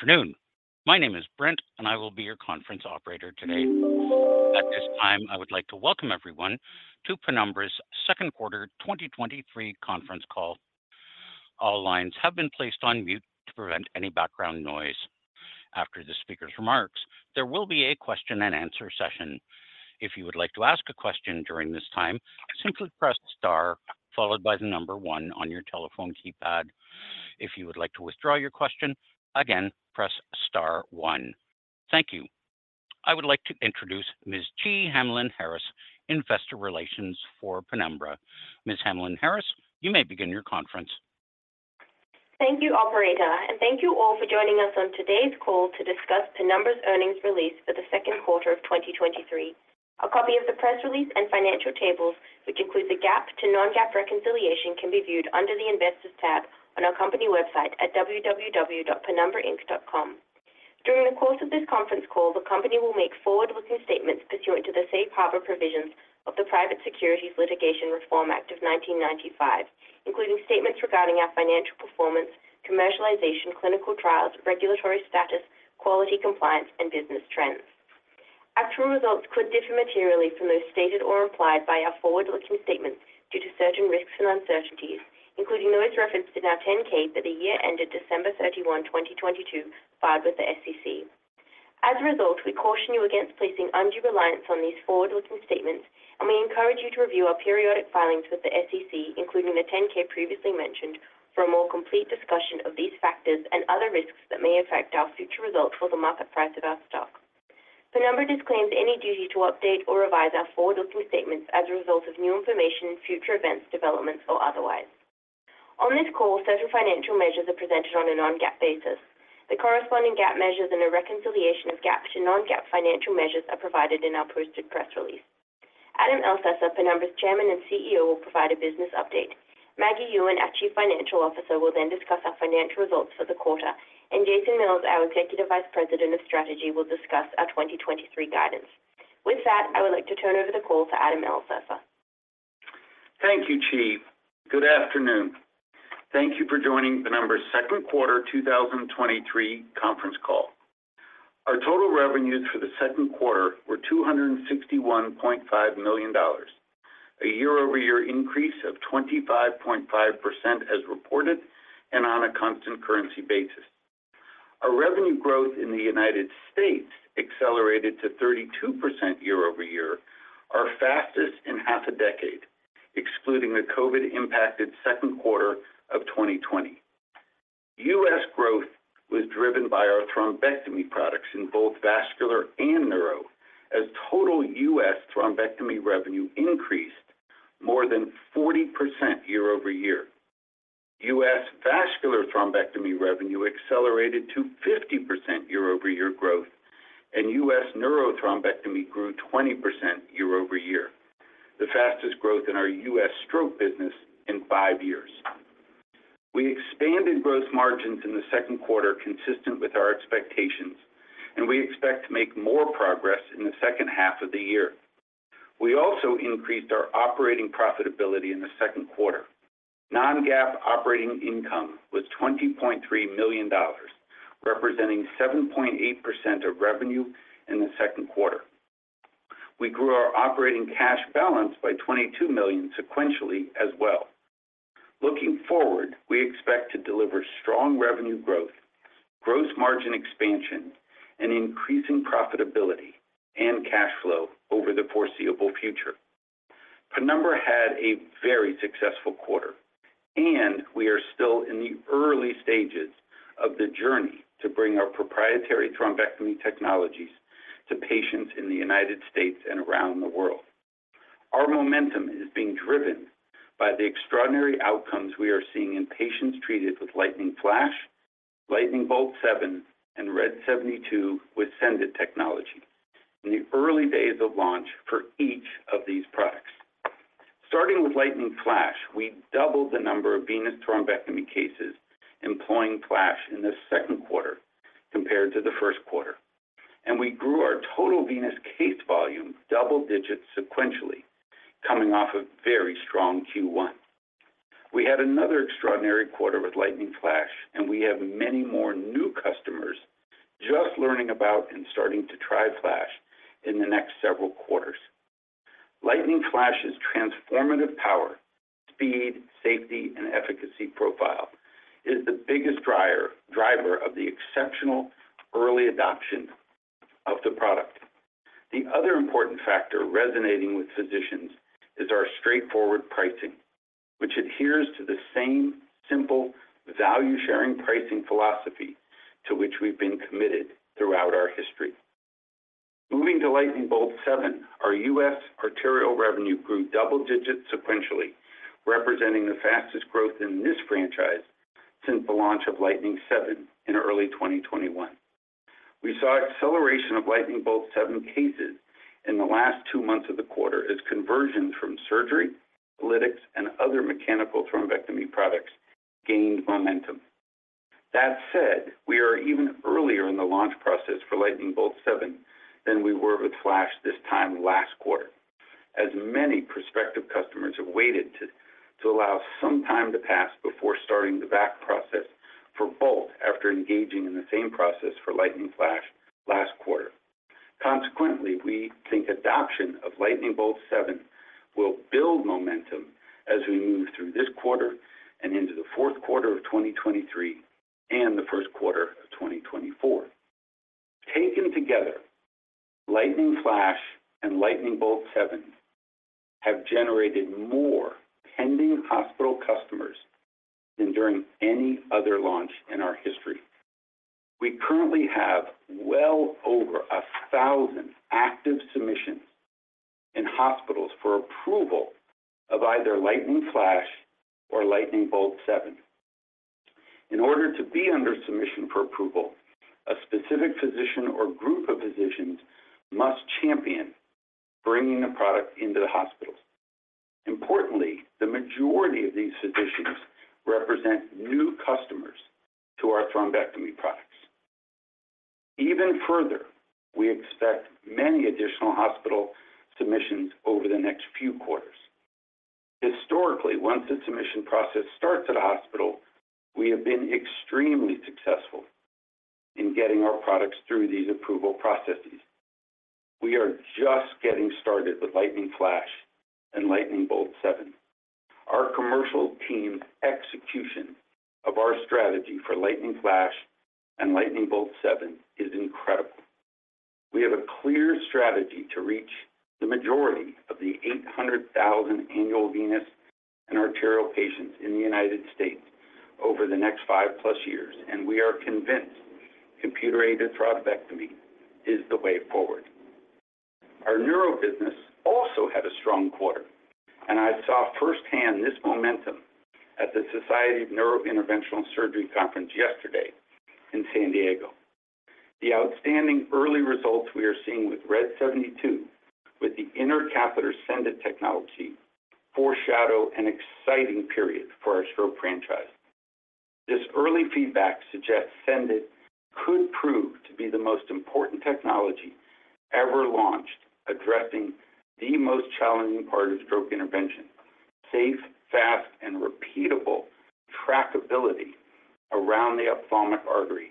Good afternoon. My name is Brent, and I will be your conference operator today. At this time, I would like to welcome everyone to Penumbra's Second Quarter 2023 Conference Call. All lines have been placed on mute to prevent any background noise. After the speaker's remarks, there will be a question-and-answer session. If you would like to ask a question during this time, simply press star, followed by the number one on your telephone keypad. If you would like to withdraw your question, again, press star one. Thank you. I would like to introduce Ms. Jee Hamlyn-Harris, Investor Relations for Penumbra. Ms. Hamlyn-Harris, you may begin your conference. Thank you, operator, and thank you all for joining us on today's call to discuss Penumbra's earnings release for the second quarter of 2023. A copy of the press release and financial tables, which includes a GAAP to non-GAAP reconciliation, can be viewed under the Investors tab on our company website at www.penumbrainc.com. During the course of this conference call, the company will make forward-looking statements pursuant to the Safe Harbor Provisions of the Private Securities Litigation Reform Act of 1995, including statements regarding our financial performance, commercialization, clinical trials, regulatory status, quality, compliance, and business trends. Actual results could differ materially from those stated or implied by our forward-looking statements due to certain risks and uncertainties, including those referenced in our 10-K for the year ended December 31, 2022, filed with the SEC. As a result, we caution you against placing undue reliance on these forward-looking statements, and we encourage you to review our periodic filings with the SEC, including the 10-K previously mentioned, for a more complete discussion of these factors and other risks that may affect our future results or the market price of our stock. Penumbra disclaims any duty to update or revise our forward-looking statements as a result of new information, future events, developments, or otherwise. On this call, certain financial measures are presented on a non-GAAP basis. The corresponding GAAP measures and a reconciliation of GAAP to non-GAAP financial measures are provided in our posted press release. Adam Elsesser, Penumbra's Chairman and CEO, will provide a business update. Maggie Yuen, our Chief Financial Officer, will then discuss our financial results for the quarter, and Jason Mills, our Executive Vice President of Strategy, will discuss our 2023 guidance. With that, I would like to turn over the call to Adam Elsesser. Thank you, Jee. Good afternoon. Thank you for joining Penumbra's second quarter 2023 conference call. Our total revenues for the second quarter were $261.5 million, a year-over-year increase of 25.5% as reported and on a constant currency basis. Our revenue growth in the United States accelerated to 32% year-over-year, our fastest in half a decade, excluding the COVID-impacted second quarter of 2020. U.S. growth was driven by our thrombectomy products in both vascular and neuro, as total U.S. thrombectomy revenue increased more than 40% year-over-year. U.S. vascular thrombectomy revenue accelerated to 50% year-over-year growth, and U.S. neurothrombectomy grew 20% year-over-year, the fastest growth in our U.S. stroke business in five years. We expanded gross margins in the second quarter, consistent with our expectations, and we expect to make more progress in the second half of the year. We also increased our operating profitability in the second quarter. Non-GAAP operating income was $20.3 million, representing 7.8% of revenue in the second quarter. We grew our operating cash balance by $22 million sequentially as well. Looking forward, we expect to deliver strong revenue growth, gross margin expansion, and increasing profitability and cash flow over the foreseeable future. Penumbra had a very successful quarter, and we are still in the early stages of the journey to bring our proprietary thrombectomy technologies to patients in the United States and around the world. Our momentum is being driven by the extraordinary outcomes we are seeing in patients treated with Lightning Flash, Lightning Bolt 7, and RED 72 with SENDit technology in the early days of launch for each of these products. Starting with Lightning Flash, we doubled the number of venous thrombectomy cases employing Flash in the second quarter compared to the first quarter, and we grew our total venous case volume double digits sequentially, coming off a very strong Q1. We had another extraordinary quarter with Lightning Flash, and we have many more new customers just learning about and starting to try Flash in the next several quarters. Lightning Flash's transformative power, speed, safety, and efficacy profile is the biggest driver of the exceptional early adoption of the product. The other important factor resonating with physicians is our straightforward pricing, which adheres to the same simple value-sharing pricing philosophy to which we've been committed throughout our history. Moving to Lightning Bolt 7, our U.S. arterial revenue grew double digits sequentially, representing the fastest growth in this franchise since the launch of Lightning 7 in early 2021. We saw acceleration of Lightning Bolt 7 cases in the last two months of the quarter as conversions from surgery, lytics, and other mechanical thrombectomy products gained momentum. That said, we are even earlier in the launch process for Lightning Bolt 7 than we were with Lightning Flash this time last quarter. As many prospective customers have waited to allow some time to pass before starting the VAC process for Bolt after engaging in the same process for Lightning Flash last quarter. Consequently, we think adoption of Lightning Bolt 7 will build momentum as we move through this quarter and into the fourth quarter of 2023 and the first quarter of 2024. Taken together, Lightning Flash and Lightning Bolt 7 have generated more pending hospital customers than during any other launch in our history. We currently have well over 1,000 active submissions in hospitals for approval of either Lightning Flash or Lightning Bolt 7. In order to be under submission for approval, a specific physician or group of physicians must champion bringing the product into the hospitals. Importantly, the majority of these physicians represent new customers to our thrombectomy products. Even further, we expect many additional hospital submissions over the next few quarters. Historically, once the submission process starts at a hospital, we have been extremely successful in getting our products through these approval processes. We are just getting started with Lightning Flash and Lightning Bolt 7. Our commercial team's execution of our strategy for Lightning Flash and Lightning Bolt 7 is incredible. We have a clear strategy to reach the majority of the 800,000 annual venous and arterial patients in the United States over the next five plus years, and we are convinced computer-aided thrombectomy is the way forward. Our neuro business also had a strong quarter. I saw firsthand this momentum at the Society of NeuroInterventional Surgery conference yesterday in San Diego. The outstanding early results we are seeing with RED 72, with the inner catheter SENDit technology, foreshadow an exciting period for our stroke franchise. This early feedback suggests SENDit could prove to be the most important technology ever launched, addressing the most challenging part of stroke intervention: safe, fast, and repeatable trackability around the ophthalmic artery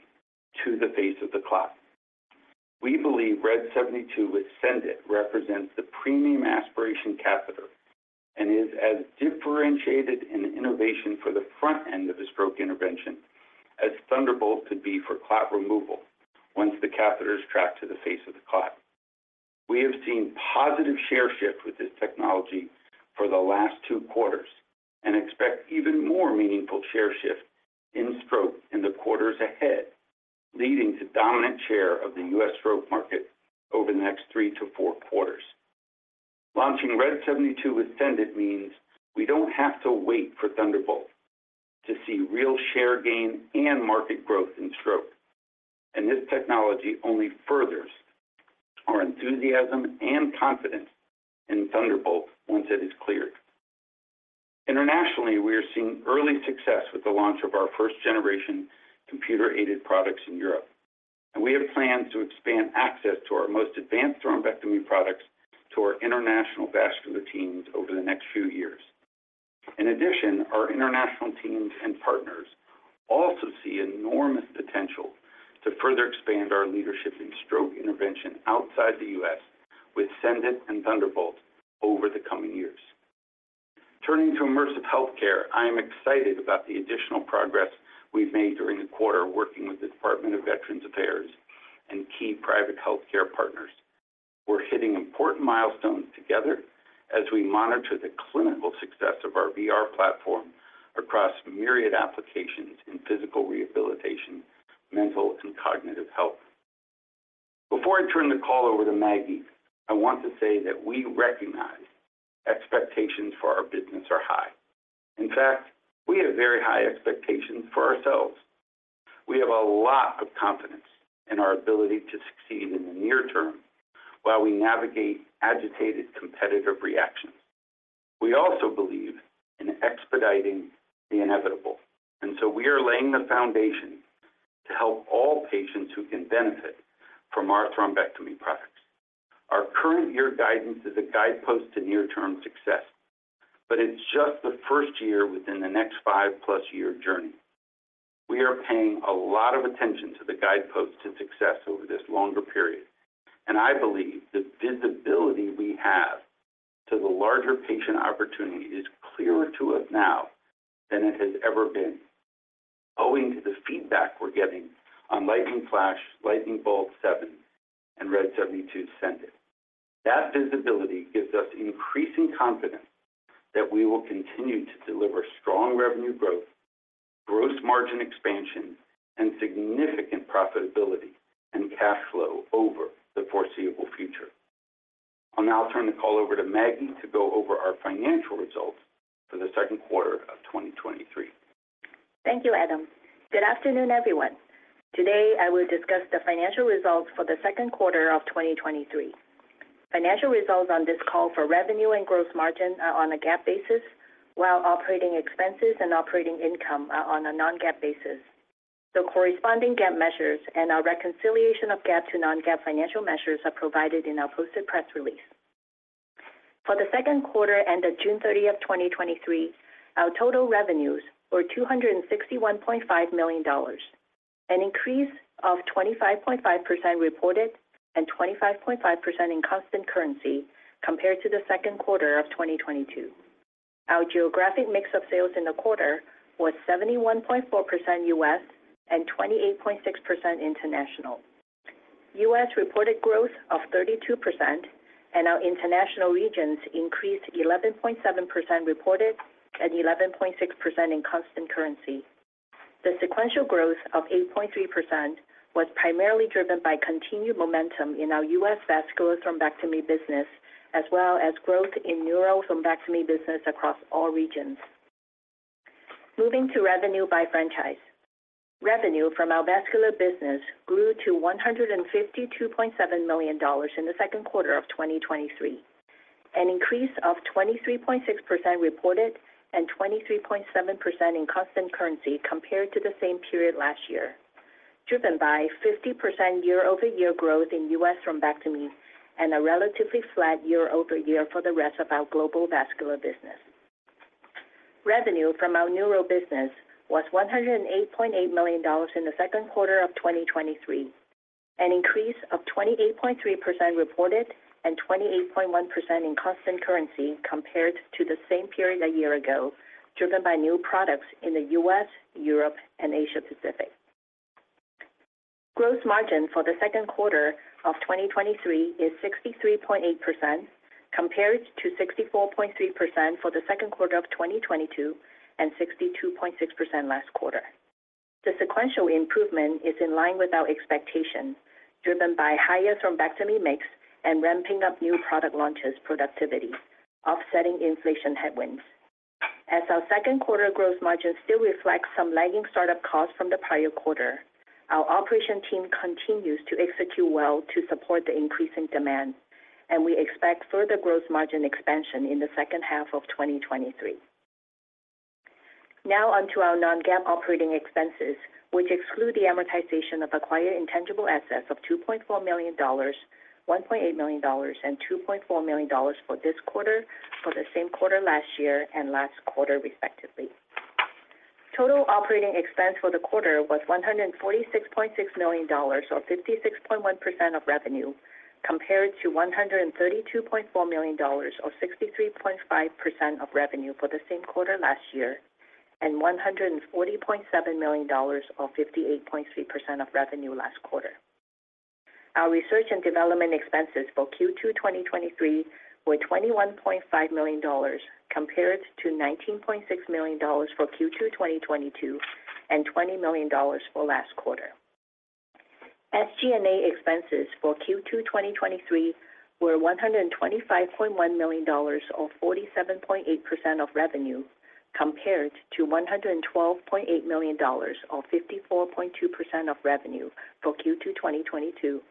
to the face of the clot. We believe RED 72 with SENDit represents the premium aspiration catheter and is as differentiated in innovation for the front end of a stroke intervention as Thunderbolt could be for clot removal once the catheter is tracked to the face of the clot. We have seen positive share shift with this technology for the last two quarters and expect even more meaningful share shift in stroke in the quarters ahead, leading to dominant share of the U.S. stroke market over the next three to four quarters. Launching RED 72 with SENDit means we don't have to wait for Thunderbolt to see real share gain and market growth in stroke, and this technology only furthers our enthusiasm and confidence in Thunderbolt once it is cleared. Internationally, we are seeing early success with the launch of our first-generation computer-aided products in Europe, and we have plans to expand access to our most advanced thrombectomy products to our International vascular teams over the next few years. In addition, our international teams and partners also see enormous potential to further expand our leadership in stroke intervention outside the U.S. with SENDit and Thunderbolt over the coming years. Turning to immersive healthcare, I am excited about the additional progress we've made during the quarter working with the Department of Veterans Affairs and key private healthcare partners. We're hitting important milestones together as we monitor the clinical success of our VR platform across myriad applications in physical rehabilitation, mental and cognitive health. Before I turn the call over to Maggie, I want to say that we recognize expectations for our business are high. In fact, we have very high expectations for ourselves. We have a lot of confidence in our ability to succeed in the near term while we navigate agitated competitive reactions. We also believe in expediting the inevitable, and so we are laying the foundation to help all patients who can benefit from our thrombectomy products. Our current year guidance is a guidepost to near-term success, but it's just the first year within the next five-plus-year journey. We are paying a lot of attention to the guideposts to success over this longer period, and I believe the visibility we have to the larger patient opportunity is clearer to us now than it has ever been, owing to the feedback we're getting on Lightning Flash, Lightning Bolt 7, and RED 72 SENDit. That visibility gives us increasing confidence that we will continue to deliver strong revenue growth, gross margin expansion, and significant profitability and cash flow over the foreseeable future. I'll now turn the call over to Maggie to go over our financial results for the second quarter of 2023. Thank you, Adam. Good afternoon, everyone. Today, I will discuss the financial results for the second quarter of 2023. Financial results on this call for revenue and gross margin are on a GAAP basis, while operating expenses and operating income are on a non-GAAP basis. The corresponding GAAP measures and our reconciliation of GAAP to non-GAAP financial measures are provided in our posted press release. For the second quarter ended June 30, 2023, our total revenues were $261.5 million, an increase of 25.5% reported and 25.5% in constant currency compared to the second quarter of 2022. Our geographic mix of sales in the quarter was 71.4% U.S. and 28.6% International. U.S. reported growth of 32% and our International regions increased 11.7% reported and 11.6% in constant currency. The sequential growth of 8.3% was primarily driven by continued momentum in our U.S. vascular thrombectomy business, as well as growth in neuro thrombectomy business across all regions. Moving to revenue by franchise. Revenue from our vascular business grew to $152.7 million in Q2 2023, an increase of 23.6% reported and 23.7% in constant currency compared to the same period last year, driven by 50% year-over-year growth in U.S. thrombectomy and a relatively flat year-over-year for the rest of our Global vascular business. Revenue from our neuro business was $108.8 million in the second quarter of 2023, an increase of 28.3% reported and 28.1% in constant currency compared to the same period a year ago, driven by new products in the U.S., Europe, and Asia Pacific. Gross margin for the second quarter of 2023 is 63.8%, compared to 64.3% for the second quarter of 2022 and 62.6% last quarter. The sequential improvement is in line with our expectations, driven by higher thrombectomy mix and ramping up new product launches productivity, offsetting inflation headwinds. As our second quarter growth margin still reflects some lagging start-up costs from the prior quarter, our operation team continues to execute well to support the increasing demand, and we expect further growth margin expansion in the second half of 2023. On to our non-GAAP operating expenses, which exclude the amortization of acquired intangible assets of $2.4 million, $1.8 million, and $2.4 million for this quarter, for the same quarter last year and last quarter, respectively. Total operating expense for the quarter was $146.6 million, or 56.1% of revenue, compared to $132.4 million, or 63.5% of revenue for the same quarter last year, and $140.7 million, or 58.3% of revenue last quarter. Our research and development expenses for Q2 2023 were $21.5 million, compared to $19.6 million for Q2 2022, and $20 million for last quarter. SG&A expenses for Q2 2023 were $125.1 million, or 47.8% of revenue, compared to $112.8 million, or 54.2% of revenue for Q2 2022,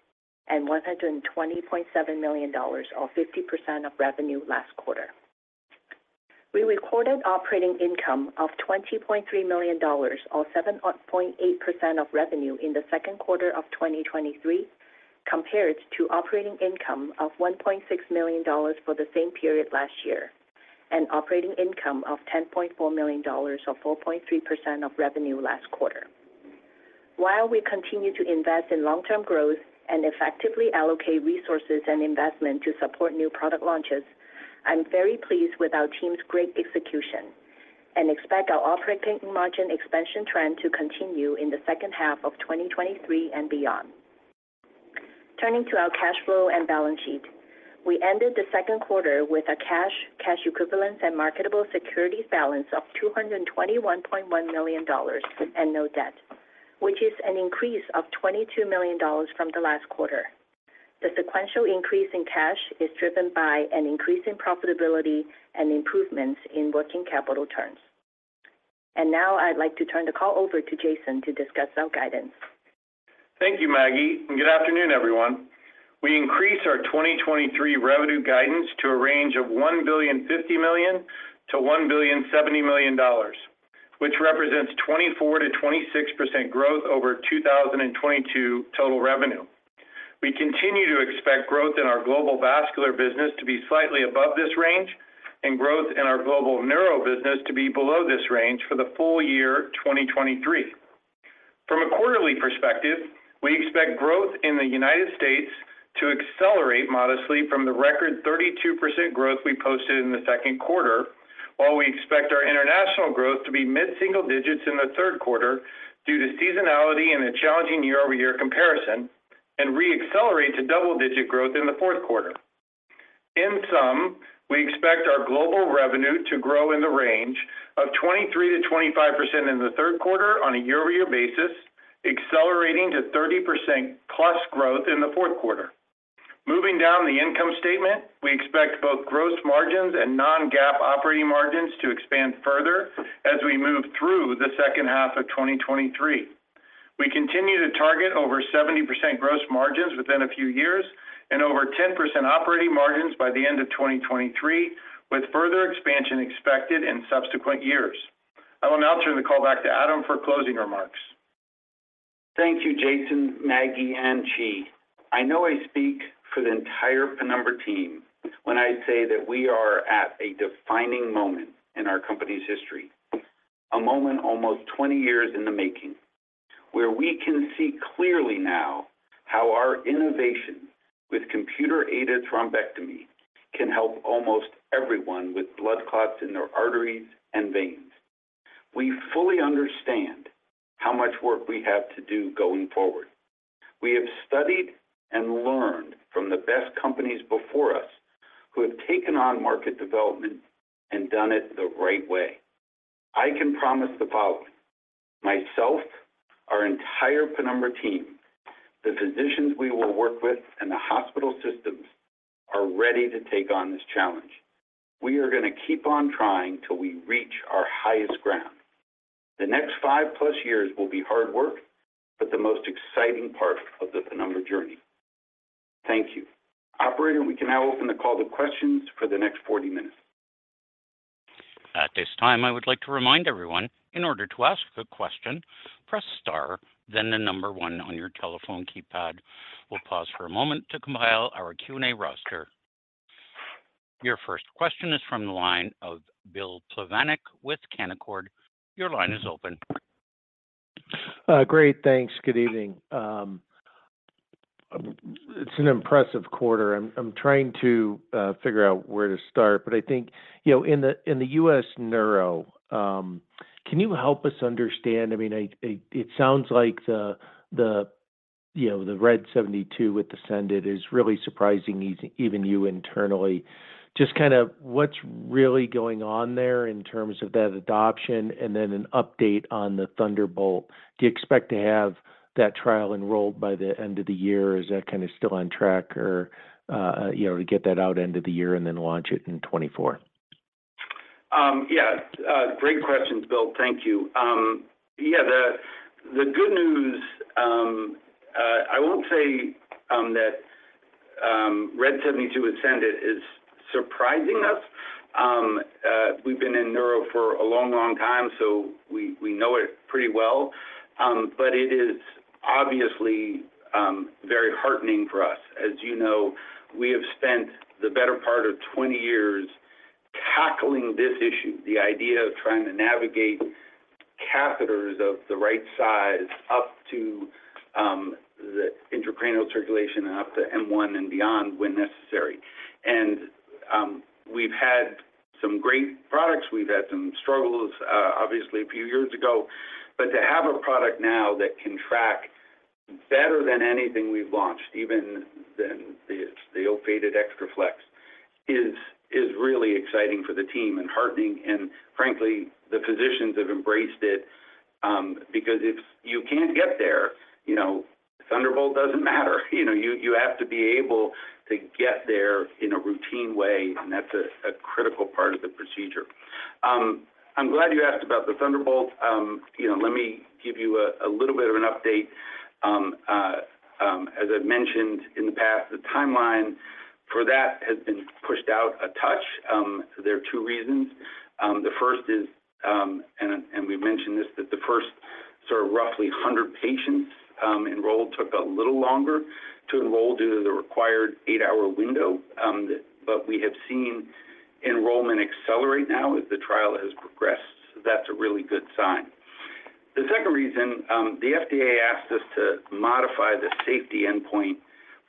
and $120.7 million, or 50% of revenue last quarter. We recorded operating income of $20.3 million, or 7.8% of revenue in the second quarter of 2023, compared to operating income of $1.6 million for the same period last year, and operating income of $10.4 million, or 4.3% of revenue last quarter. While we continue to invest in long-term growth and effectively allocate resources and investment to support new product launches, I'm very pleased with our team's great execution and expect our operating margin expansion trend to continue in the second half of 2023 and beyond. Turning to our cash flow and balance sheet. We ended the second quarter with a cash, cash equivalents, and marketable securities balance of $221.1 million and no debt, which is an increase of $22 million from the last quarter. The sequential increase in cash is driven by an increase in profitability and improvements in working capital terms. Now I'd like to turn the call over to Jason to discuss our guidance. Thank you, Maggie, and good afternoon, everyone. We increase our 2023 revenue guidance to a range of $1.05 billion-$1.07 billion, which represents 24%-26% growth over 2022 total revenue. We continue to expect growth in our global vascular business to be slightly above this range and growth in our global neuro business to be below this range for the full year 2023. From a quarterly perspective, we expect growth in the United States to accelerate modestly from the record 32% growth we posted in the second quarter, while we expect our international growth to be mid-single digits in the third quarter due to seasonality and a challenging year-over-year comparison, and re-accelerate to double-digit growth in the fourth quarter. In sum, we expect our global revenue to grow in the range of 23%-25% in the third quarter on a year-over-year basis, accelerating to 30%+ growth in the fourth quarter. Moving down the income statement, we expect both gross margins and non-GAAP operating margins to expand further as we move through the second half of 2023. We continue to target over 70% gross margins within a few years.... and over 10% operating margins by the end of 2023, with further expansion expected in subsequent years. I will now turn the call back to Adam for closing remarks. Thank you, Jason, Maggie, and Jee. I know I speak for the entire Penumbra team when I say that we are at a defining moment in our company's history. A moment almost 20 years in the making, where we can see clearly now how our innovation with computer-aided thrombectomy can help almost everyone with blood clots in their arteries and veins. We fully understand how much work we have to do going forward. We have studied and learned from the best companies before us, who have taken on market development and done it the right way. I can promise the following: myself, our entire Penumbra team, the physicians we will work with, and the hospital systems are ready to take on this challenge. We are going to keep on trying till we reach our highest ground. The next five-plus years will be hard work, but the most exciting part of the Penumbra journey. Thank you. Operator, we can now open the call to questions for the next 40 minutes. At this time, I would like to remind everyone, in order to ask a question, press star, then the number one on your telephone keypad. We'll pause for a moment to compile our Q&A roster. Your first question is from the line of Bill Plovanic with Canaccord Genuity. Your line is open. Great, thanks. Good evening. It's an impressive quarter. I'm, I'm trying to figure out where to start. I think, you know, in the, in the U.S. Neuro, can you help us understand? I mean, I, it, it sounds like the, the, you know, the RED 72 with SENDit is really surprising even, even you internally. Just kind of what's really going on there in terms of that adoption, then an update on the Thunderbolt. Do you expect to have that trial enrolled by the end of the year? Is that kind of still on track or, you know, to get that out end of the year then launch it in 2024? Yeah, great questions, Bill. Thank you. Yeah, the good news, I won't say that RED 72 with SENDit is surprising us. We've been in neuro for a long, long time, so we know it pretty well. It is obviously very heartening for us. As you know, we have spent the better part of 20 years tackling this issue, the idea of trying to navigate catheters of the right size up to the intracranial circulation and up to M1 and beyond, when necessary. We've had some great products. We've had some struggles, obviously, a few years ago. To have a product now that can track better than anything we've launched, even than the, the old faded Xtra Flex, is, is really exciting for the team and heartening, and frankly, the physicians have embraced it, because if you can't get there, you know, Thunderbolt doesn't matter. You know, you, you have to be able to get there in a routine way, and that's a, a critical part of the procedure. I'm glad you asked about the Thunderbolt. You know, let me give you a, a little bit of an update. As I've mentioned in the past, the timeline for that has been pushed out a touch. There are two reasons. The first is, and we've mentioned this, that the first sort of roughly 100 patients enrolled took a little longer to enroll due to the required eight-hour window. We have seen enrollment accelerate now as the trial has progressed. That's a really good sign. The second reason, the FDA asked us to modify the safety endpoint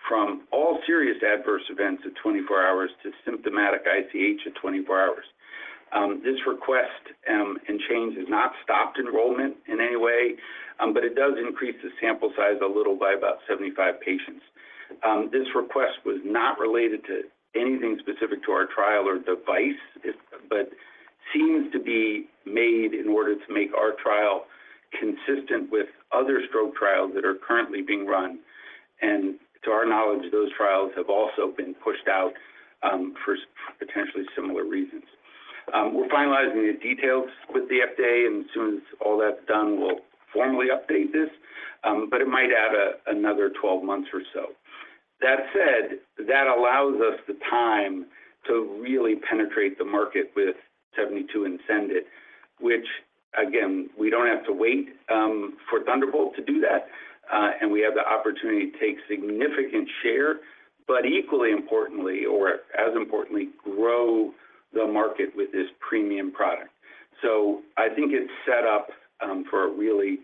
from all serious adverse events at 24 hours to symptomatic ICH at 24 hours. This request and change has not stopped enrollment in any way. It does increase the sample size a little by about 75 patients. This request was not related to anything specific to our trial or device, it, but seems to be made in order to make our trial consistent with other stroke trials that are currently being run, and to our knowledge, those trials have also been pushed out, for potentially similar reasons. We're finalizing the details with the FDA, and as soon as all that's done, we'll formally update this, but it might add another 12 months or so. That said, that allows us the time to really penetrate the market with 72 with SENDit, which, again, we don't have to wait, for Thunderbolt to do that, and we have the opportunity to take significant share, but equally importantly or as importantly, grow the market with this premium product. I think it's set up, for a really,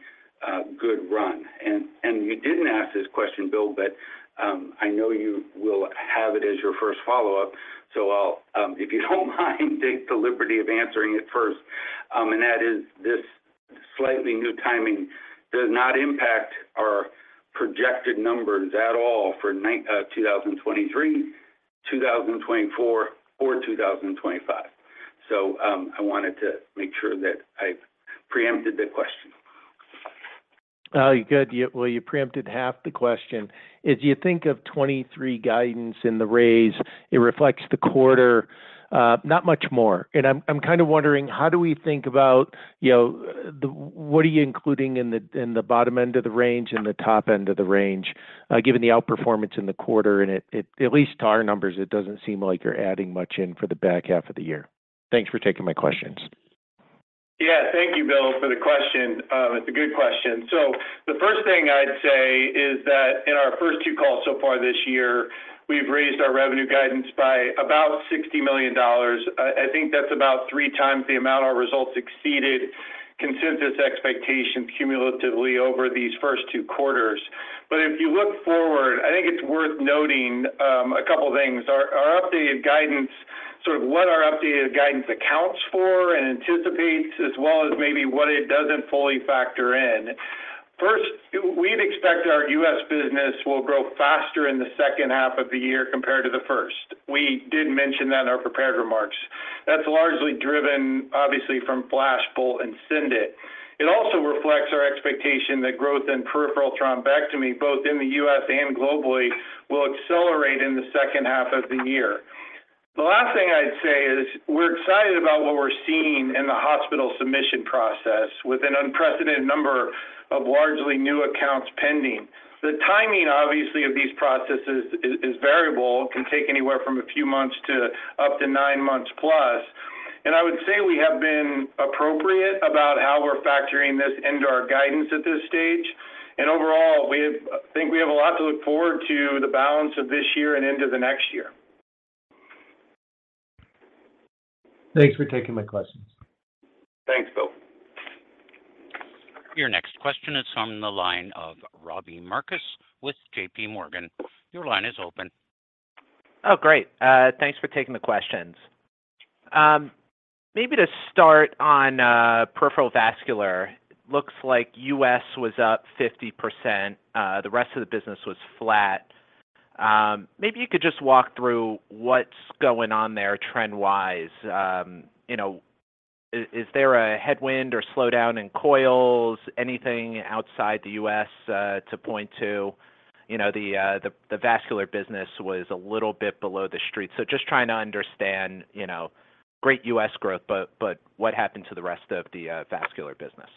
good run. You didn't ask this question, Bill, but I know you will have it as your first follow-up, so I'll, if you don't mind, take the liberty of answering it first. And that is, this slightly new timing does not impact our projected numbers at all for 2023, 2024 or 2025. I wanted to make sure that I preempted the question. Oh, good. Yeah, well, you preempted half the question. As you think of 2023 guidance in the raise, it reflects the quarter, not much more. I'm kind of wondering, how do we think about, you know, the... What are you including in the, in the bottom end of the range and the top end of the range, given the outperformance in the quarter? It, at least to our numbers, it doesn't seem like you're adding much in for the back half of the year. Thanks for taking my questions. Yeah, thank you, Bill, for the question. It's a good question. The first thing I'd say is that in our first two calls so far this year, we've raised our revenue guidance by about $60 million. I think that's about 3x the amount our results exceeded consensus expectations cumulatively over these first two quarters. If you look forward, I think it's worth noting a couple of things. Our updated guidance, sort of what our updated guidance accounts for and anticipates, as well as maybe what it doesn't fully factor in. First, we'd expect our U.S. business will grow faster in the second half of the year compared to the first. We did mention that in our prepared remarks. That's largely driven, obviously, from Flash, Bolt, and SENDit. It also reflects our expectation that growth in peripheral thrombectomy, both in the U.S. and globally, will accelerate in the second half of the year. The last thing I'd say is, we're excited about what we're seeing in the hospital submission process with an unprecedented number of largely new accounts pending. The timing, obviously, of these processes is, is variable, it can take anywhere from a few months to up to nine months plus. I would say we have been appropriate about how we're factoring this into our guidance at this stage. Overall, we have, I think we have a lot to look forward to the balance of this year and into the next year. Thanks for taking my questions. Thanks, Bill. Your next question is from the line of Robbie Marcus with JPMorgan. Your line is open. Great. Thanks for taking the questions. Maybe to start on peripheral vascular, looks like U.S. was up 50%, the rest of the business was flat. Maybe you could just walk through what's going on there trend-wise. You know, is, is there a headwind or slowdown in coils, anything outside the U.S. to point to? You know, the, the vascular business was a little bit below the street. Just trying to understand, you know, great U.S. growth, but, but what happened to the rest of the vascular business?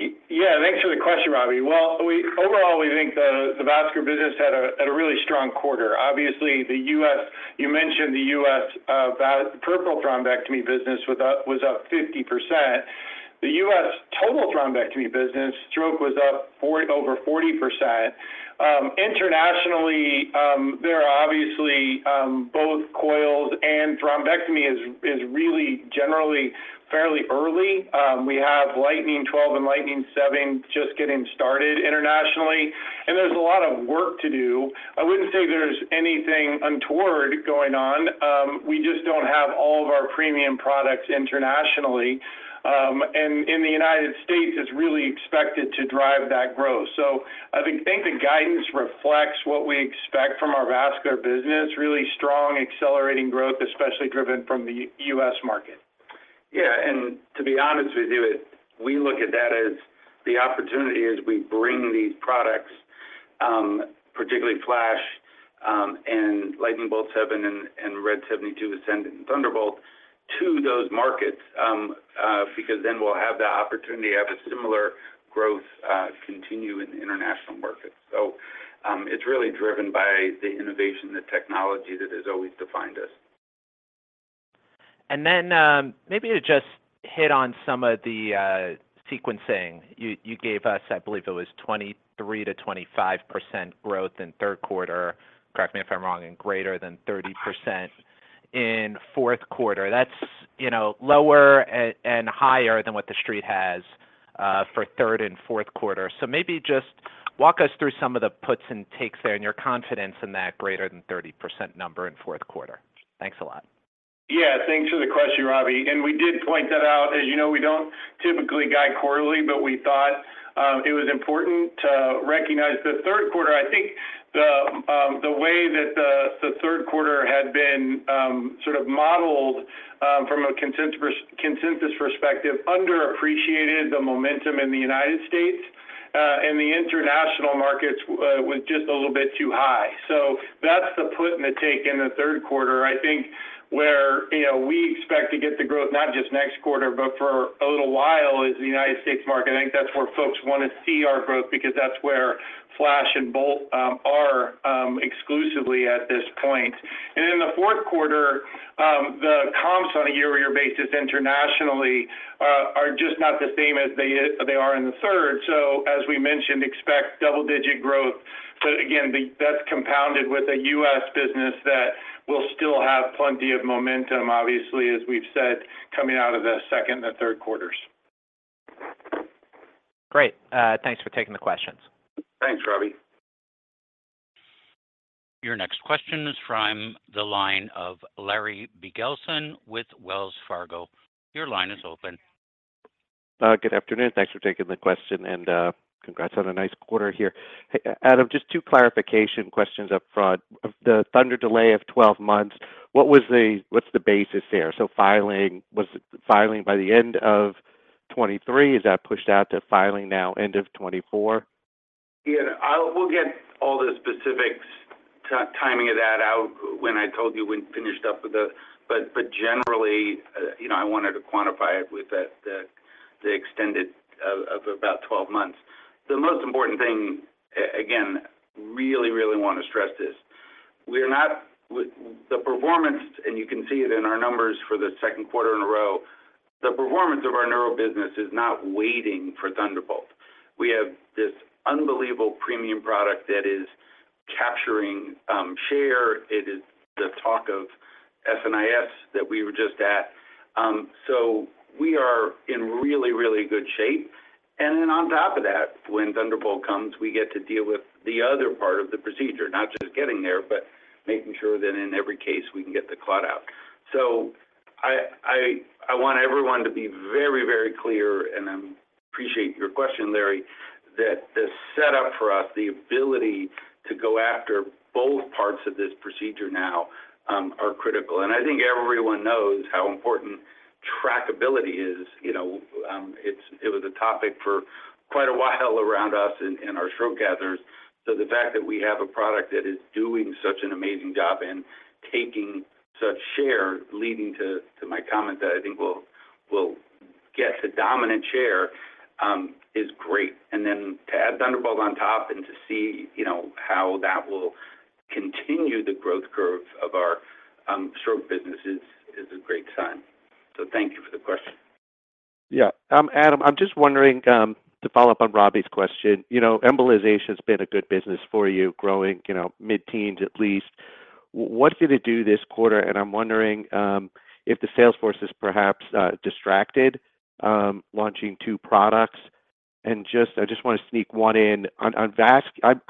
Yeah, thanks for the question, Robbie. Overall, we think the vascular business had a really strong quarter. Obviously, the U.S. You mentioned the U.S. peripheral thrombectomy business was up, was up 50%. The U.S. total thrombectomy business, stroke was up over 40%. Internationally, there are obviously both coils and thrombectomy is really generally fairly early. We have Lightning 12 and Lightning 7 just getting started internationally, and there's a lot of work to do. I wouldn't say there's anything untoward going on, we just don't have all of our premium products internationally. And in the United States, it's really expected to drive that growth. I think the guidance reflects what we expect from our vascular business, really strong, accelerating growth, especially driven from the U.S. market. Yeah, and to be honest with you, we look at that as the opportunity as we bring these products, particularly Flash, and Lightning Bolt 7 and, RED 72 with SENDit, and Thunderbolt, to those markets, because then we'll have the opportunity to have a similar growth, continue in the International markets. It's really driven by the innovation, the technology that has always defined us. Maybe to just hit on some of the sequencing. You, you gave us, I believe it was 23%-25% growth in third quarter, correct me if I'm wrong, and greater than 30% in fourth quarter. That's, you know, lower and higher than what the street has for third and fourth quarter. Maybe just walk us through some of the puts and takes there, and your confidence in that greater than 30% number in fourth quarter. Thanks a lot. Yeah, thanks for the question, Robbie. We did point that out. As you know, we don't typically guide quarterly, but we thought it was important to recognize the third quarter. I think the way that the third quarter had been sort of modeled from a consensus perspective, underappreciated the momentum in the United States and the International markets was just a little bit too high. That's the put and the take in the third quarter. I think where, you know, we expect to get the growth, not just next quarter, but for a little while, is the United States market. I think that's where folks want to see our growth, because that's where Flash and Bolt are exclusively at this point. In the fourth quarter, the comps on a year-over-year basis internationally, are just not the same as they, they are in the third. As we mentioned, expect double-digit growth. Again, that's compounded with a U.S. business that will still have plenty of momentum, obviously, as we've said, coming out of the second and third quarters. Great. Thanks for taking the questions. Thanks, Robbie. Your next question is from the line of Larry Biegelsen with Wells Fargo. Your line is open. Good afternoon. Thanks for taking the question, congrats on a nice quarter here. Adam, just two clarification questions up front. The Thunderbolt delay of 12 months, what was the basis there? Filing, was it filing by the end of 2023, is that pushed out to filing now end of 2024? Yeah, we'll get all the specifics, timing of that out when I told you when finished up with the. Generally, you know, I wanted to quantify it with the, the, the extended of about 12 months. The most important thing, really, really want to stress this, we are not the performance, and you can see it in our numbers for the second quarter in a row, the performance of our neuro business is not waiting for Thunderbolt. We have this unbelievable premium product that is capturing share. It is the talk of SNIS that we were just at. We are in really, really good shape. Then on top of that, when Thunderbolt comes, we get to deal with the other part of the procedure, not just getting there, but making sure that in every case, we can get the clot out. I, I, I want everyone to be very, very clear, and I appreciate your question, Larry, that the setup for us, the ability to go after both parts of this procedure now, are critical. I think everyone knows how important trackability is. You know, it was a topic for quite a while around us in, in our stroke gathers. The fact that we have a product that is doing such an amazing job and taking such share, leading to, to my comment that I think we'll, we'll get the dominant share, is great. Then to add Thunderbolt on top and to see, you know, how that will continue the growth curve of our stroke business is, is a great sign. Thank you for the question. Yeah. Adam, I'm just wondering, to follow up on Robbie's question, you know, embolization's been a good business for you, growing, you know, mid-teens at least. What did it do this quarter? I'm wondering if the sales force is perhaps distracted launching two products. I just want to sneak one in on vascular.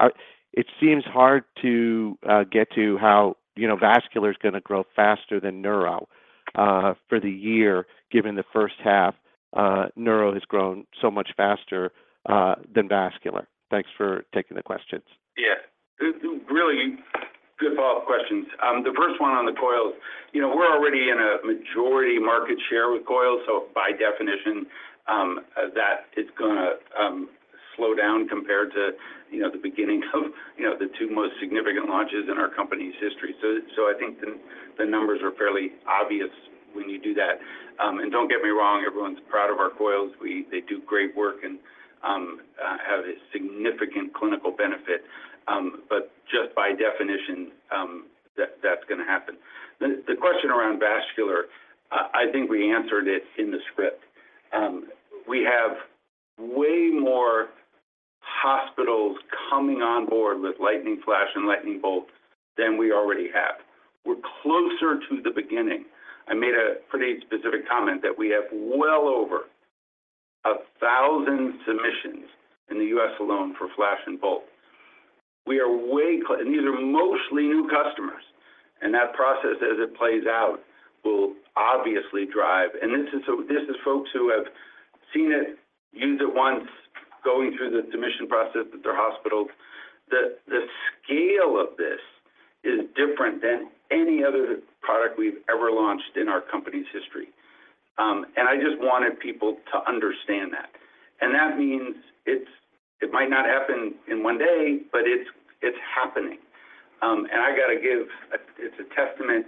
It seems hard to get to how, you know, vascular is gonna grow faster than neuro for the year, given the first half neuro has grown so much faster than vascular. Thanks for taking the questions. Yeah. Really good follow-up questions. The first one on the coils, you know, we're already in a majority market share with coils, so by definition, that is gonna slow down compared to, you know, the beginning of, you know, the two most significant launches in our company's history. I think the numbers are fairly obvious when you do that. Don't get me wrong, everyone's proud of our coils. They do great work and have a significant clinical benefit. Just by definition, that's gonna happen. The question around vascular, I think we answered it in the script. We have way more hospitals coming on board with Lightning Flash and Lightning Bolt than we already have. We're closer to the beginning. I made a pretty specific comment that we have well over 1,000 submissions in the U.S. alone for Flash and Bolt. We are way cl- these are mostly new customers, that process, as it plays out, will obviously drive. This is folks who have seen it, used it once, going through the submission process at their hospitals. The scale of this is different than any other product we've ever launched in our company's history. I just wanted people to understand that. That means it might not happen in one day, but it's, it's happening. I got to give, it's a testament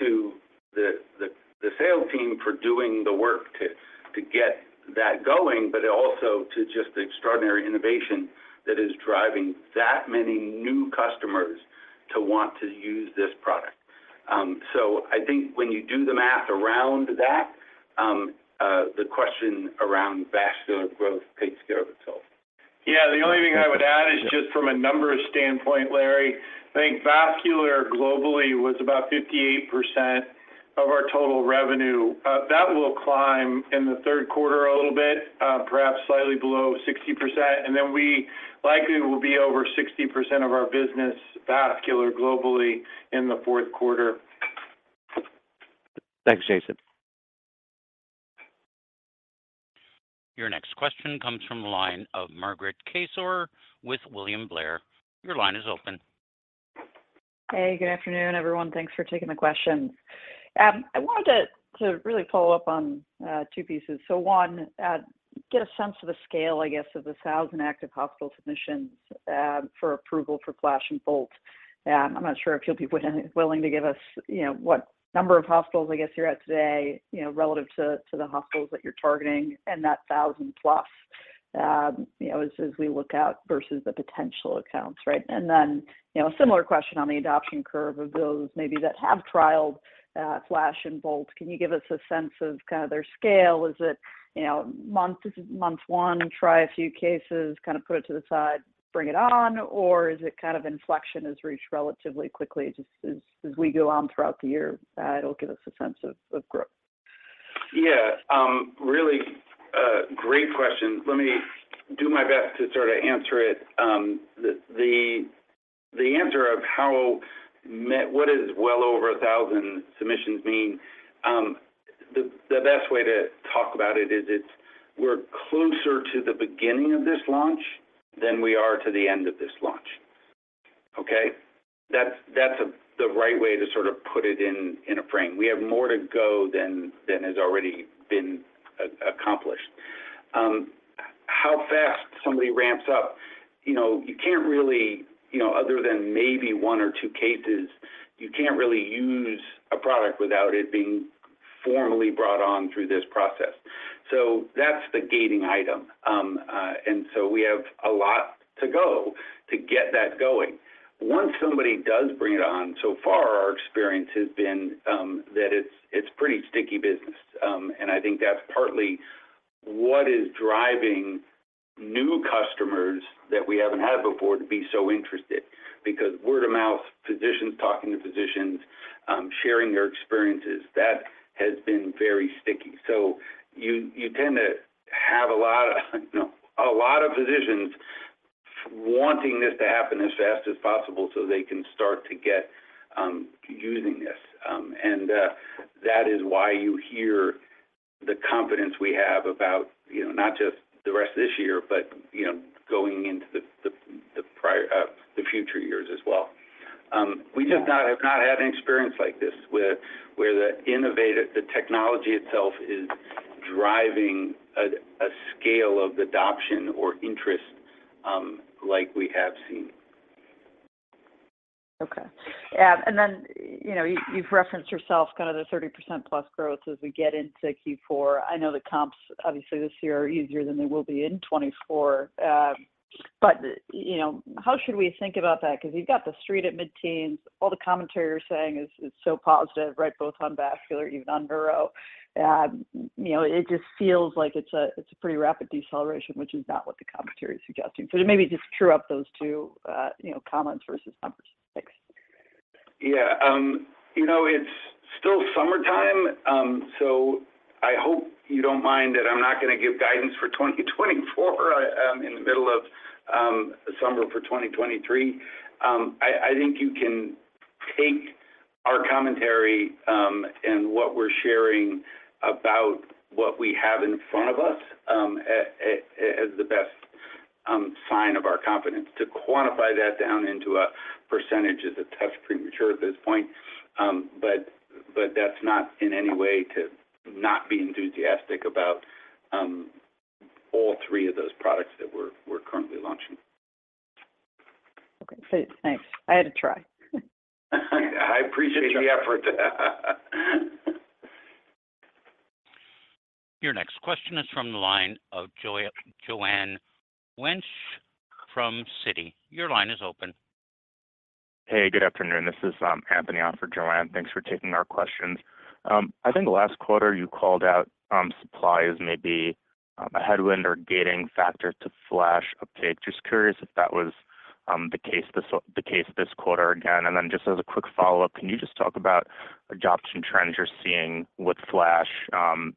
to the, the, the sales team for doing the work to, to get that going, but also to just the extraordinary innovation that is driving that many new customers to want to use this product. I think when you do the math around that, the question around vascular growth takes care of itself. Yeah, the only thing I would add is just from a numbers standpoint, Larry, I think vascular globally was about 58% of our total revenue. That will climb in the third quarter a little bit, perhaps slightly below 60%, then we likely will be over 60% of our business, vascular, globally in the fourth quarter. Thanks, Jason. Your next question comes from the line of Margaret Kaczor with William Blair. Your line is open. Hey, good afternoon, everyone. Thanks for taking the questions. I wanted to really follow up on two pieces. One, get a sense of the scale, I guess, of the 1,000 active hospital submissions, for approval for Flash and Bolt. I'm not sure if you'll be willing to give us, you know, what number of hospitals, I guess, you're at today, you know, relative to the hospitals that you're targeting and that 1,000+, you know, as we look out versus the potential accounts, right? Then, you know, a similar question on the adoption curve of those maybe that have trialed Flash and Bolt. Can you give us a sense of kind of their scale? Is it, you know, month one, try a few cases, kind of put it to the side, bring it on, or is it kind of inflection is reached relatively quickly just as, as we go on throughout the year? It'll give us a sense of, of growth. Yeah, really great questions. Let me do my best to sort of answer it. The, the, the answer of what is well over 1,000 submissions mean, the, the best way to talk about it is, it's we're closer to the beginning of this launch than we are to the end of this launch, okay? That's, that's the, the right way to sort of put it in, in a frame. We have more to go than, than has already been accomplished. Really ramps up, you know, you can't really, you know, other than maybe one or two cases, you can't really use a product without it being formally brought on through this process. That's the gating item. We have a lot to go to get that going. Once somebody does bring it on, so far, our experience has been that it's, it's pretty sticky business. I think that's partly what is driving new customers that we haven't had before to be so interested. Word of mouth, physicians talking to physicians, sharing their experiences, that has been very sticky. You, you tend to have a lot of, you know, a lot of physicians wanting this to happen as fast as possible so they can start to get using this. That is why you hear the confidence we have about, you know, not just the rest of this year, but, you know, going into the, the, the prior, the future years as well. We just not, have not had an experience like this, where, where the technology itself is driving a, a scale of adoption or interest, like we have seen. Okay. Then, you know, you, you've referenced yourself kind of the 30%+ growth as we get into Q4. I know the comps obviously this year are easier than they will be in 2024. You know, how should we think about that? Because you've got the street at mid-teens. All the commentary you're saying is, is so positive, right, both on vascular, even on neuro. You know, it just feels like it's a, it's a pretty rapid deceleration, which is not what the commentary is suggesting. Maybe just true up those two, you know, comments versus numbers. Thanks. Yeah, you know, it's still summertime, so I hope you don't mind that I'm not going to give guidance for 2024 in the middle of summer for 2023. I, I think you can take our commentary and what we're sharing about what we have in front of us as the best sign of our confidence. To quantify that down into a percentage is a tough premature at this point, but, but that's not in any way to not be enthusiastic about all three of those products that we're, we're currently launching. Okay, thanks. I had to try. I appreciate the effort. Your next question is from the line of Joanne Wuensch from Citi. Your line is open. Hey, good afternoon. This is Anthony on for Joanne. Thanks for taking our questions. I think last quarter you called out supply as maybe a headwind or gating factor to Flash update. Just curious if that was the case this quarter again, and then just as a quick follow-up, can you just talk about adoption trends you're seeing with Flash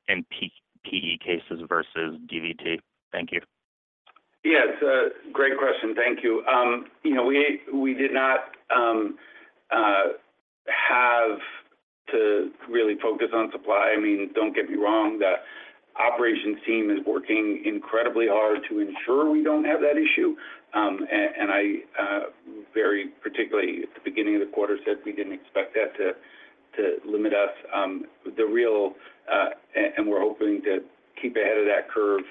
in PE cases versus DVT? Thank you. Yes, great question. Thank you. you know, we, we did not have to really focus on supply. I mean, don't get me wrong, the operations team is working incredibly hard to ensure we don't have that issue. I very particularly at the beginning of the quarter, said we didn't expect that to, to limit us, the real. We're hoping to keep ahead of that curve,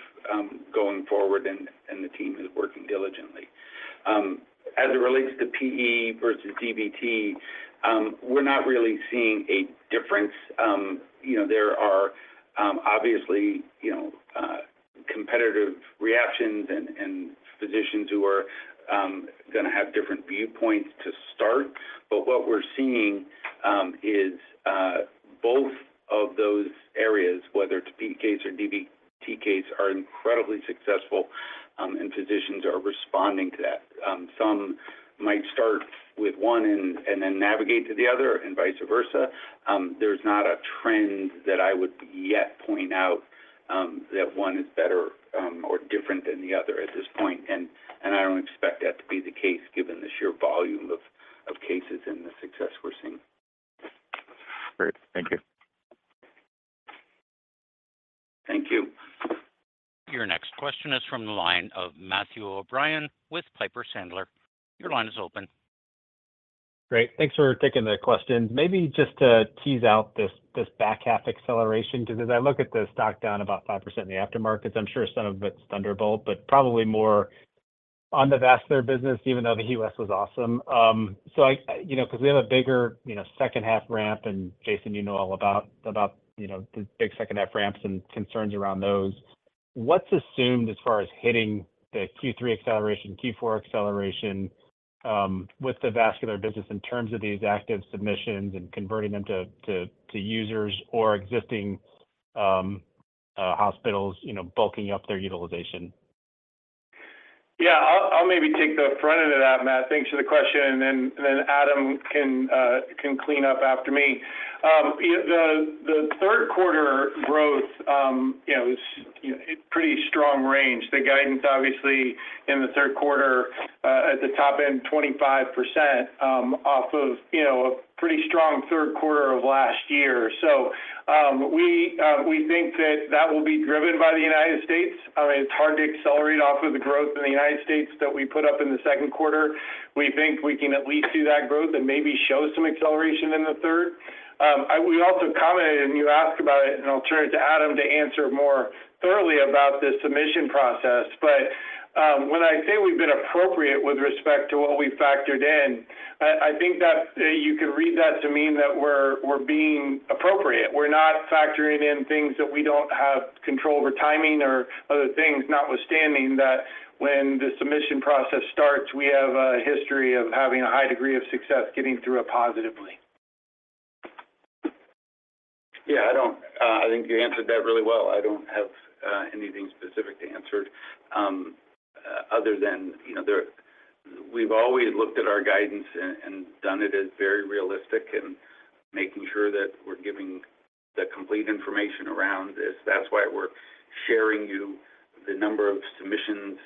going forward, and the team is working diligently. As it relates to PE versus DVT, we're not really seeing a difference. you know, there are, obviously, you know, competitive reactions and physicians who are gonna have different viewpoints to start. What we're seeing is both of those areas, whether it's PE case or DVT case, are incredibly successful, and physicians are responding to that. Some might start with one and then navigate to the other and vice versa. There's not a trend that I would yet point out that one is better or different than the other at this point. I don't expect that to be the case, given the sheer volume of cases and the success we're seeing. Great. Thank you. Thank you. Your next question is from the line of Matthew O'Brien with Piper Sandler. Your line is open. Great. Thanks for taking the question. Maybe just to tease out this, this back half acceleration, because as I look at the stock down about 5% in the aftermarket, I'm sure some of it's Thunderbolt, but probably more on the vascular business, even though the U.S. was awesome. I, you know, because we have a bigger, you know, second-half ramp, and Jason, you know all about, about, you know, the big second-half ramps and concerns around those. What's assumed as far as hitting the Q3 acceleration, Q4 acceleration, with the vascular business in terms of these active submissions and converting them to, to, to users or existing hospitals, you know, bulking up their utilization? Yeah, I'll, I'll maybe take the front end of that, Matthew O'Brien. Thanks for the question, and then, then Adam can clean up after me. The third quarter growth, you know, is a pretty strong range. The guidance, obviously, in the third quarter, at the top end, 25%, off of, you know, a pretty strong third quarter of last year. We think that that will be driven by the United States. I mean, it's hard to accelerate off of the growth in the United States that we put up in the second quarter. We think we can at least do that growth and maybe show some acceleration in the third. We also commented, and you asked about it, and I'll turn it to Adam to answer more thoroughly about the submission process. When I say we've been appropriate with respect to what we factored in, I, I think that, you could read that to mean that we're, we're being appropriate. We're not factoring in things that we don't have control over timing or other things, notwithstanding that when the submission process starts, we have a history of having a high degree of success getting through it positively. Yeah, I don't-- I think you answered that really well. I don't have anything specific to answer other than, you know, there- we've always looked at our guidance and, and done it as very realistic and making sure that we're giving the complete information around this. That's why we're sharing you the number of submissions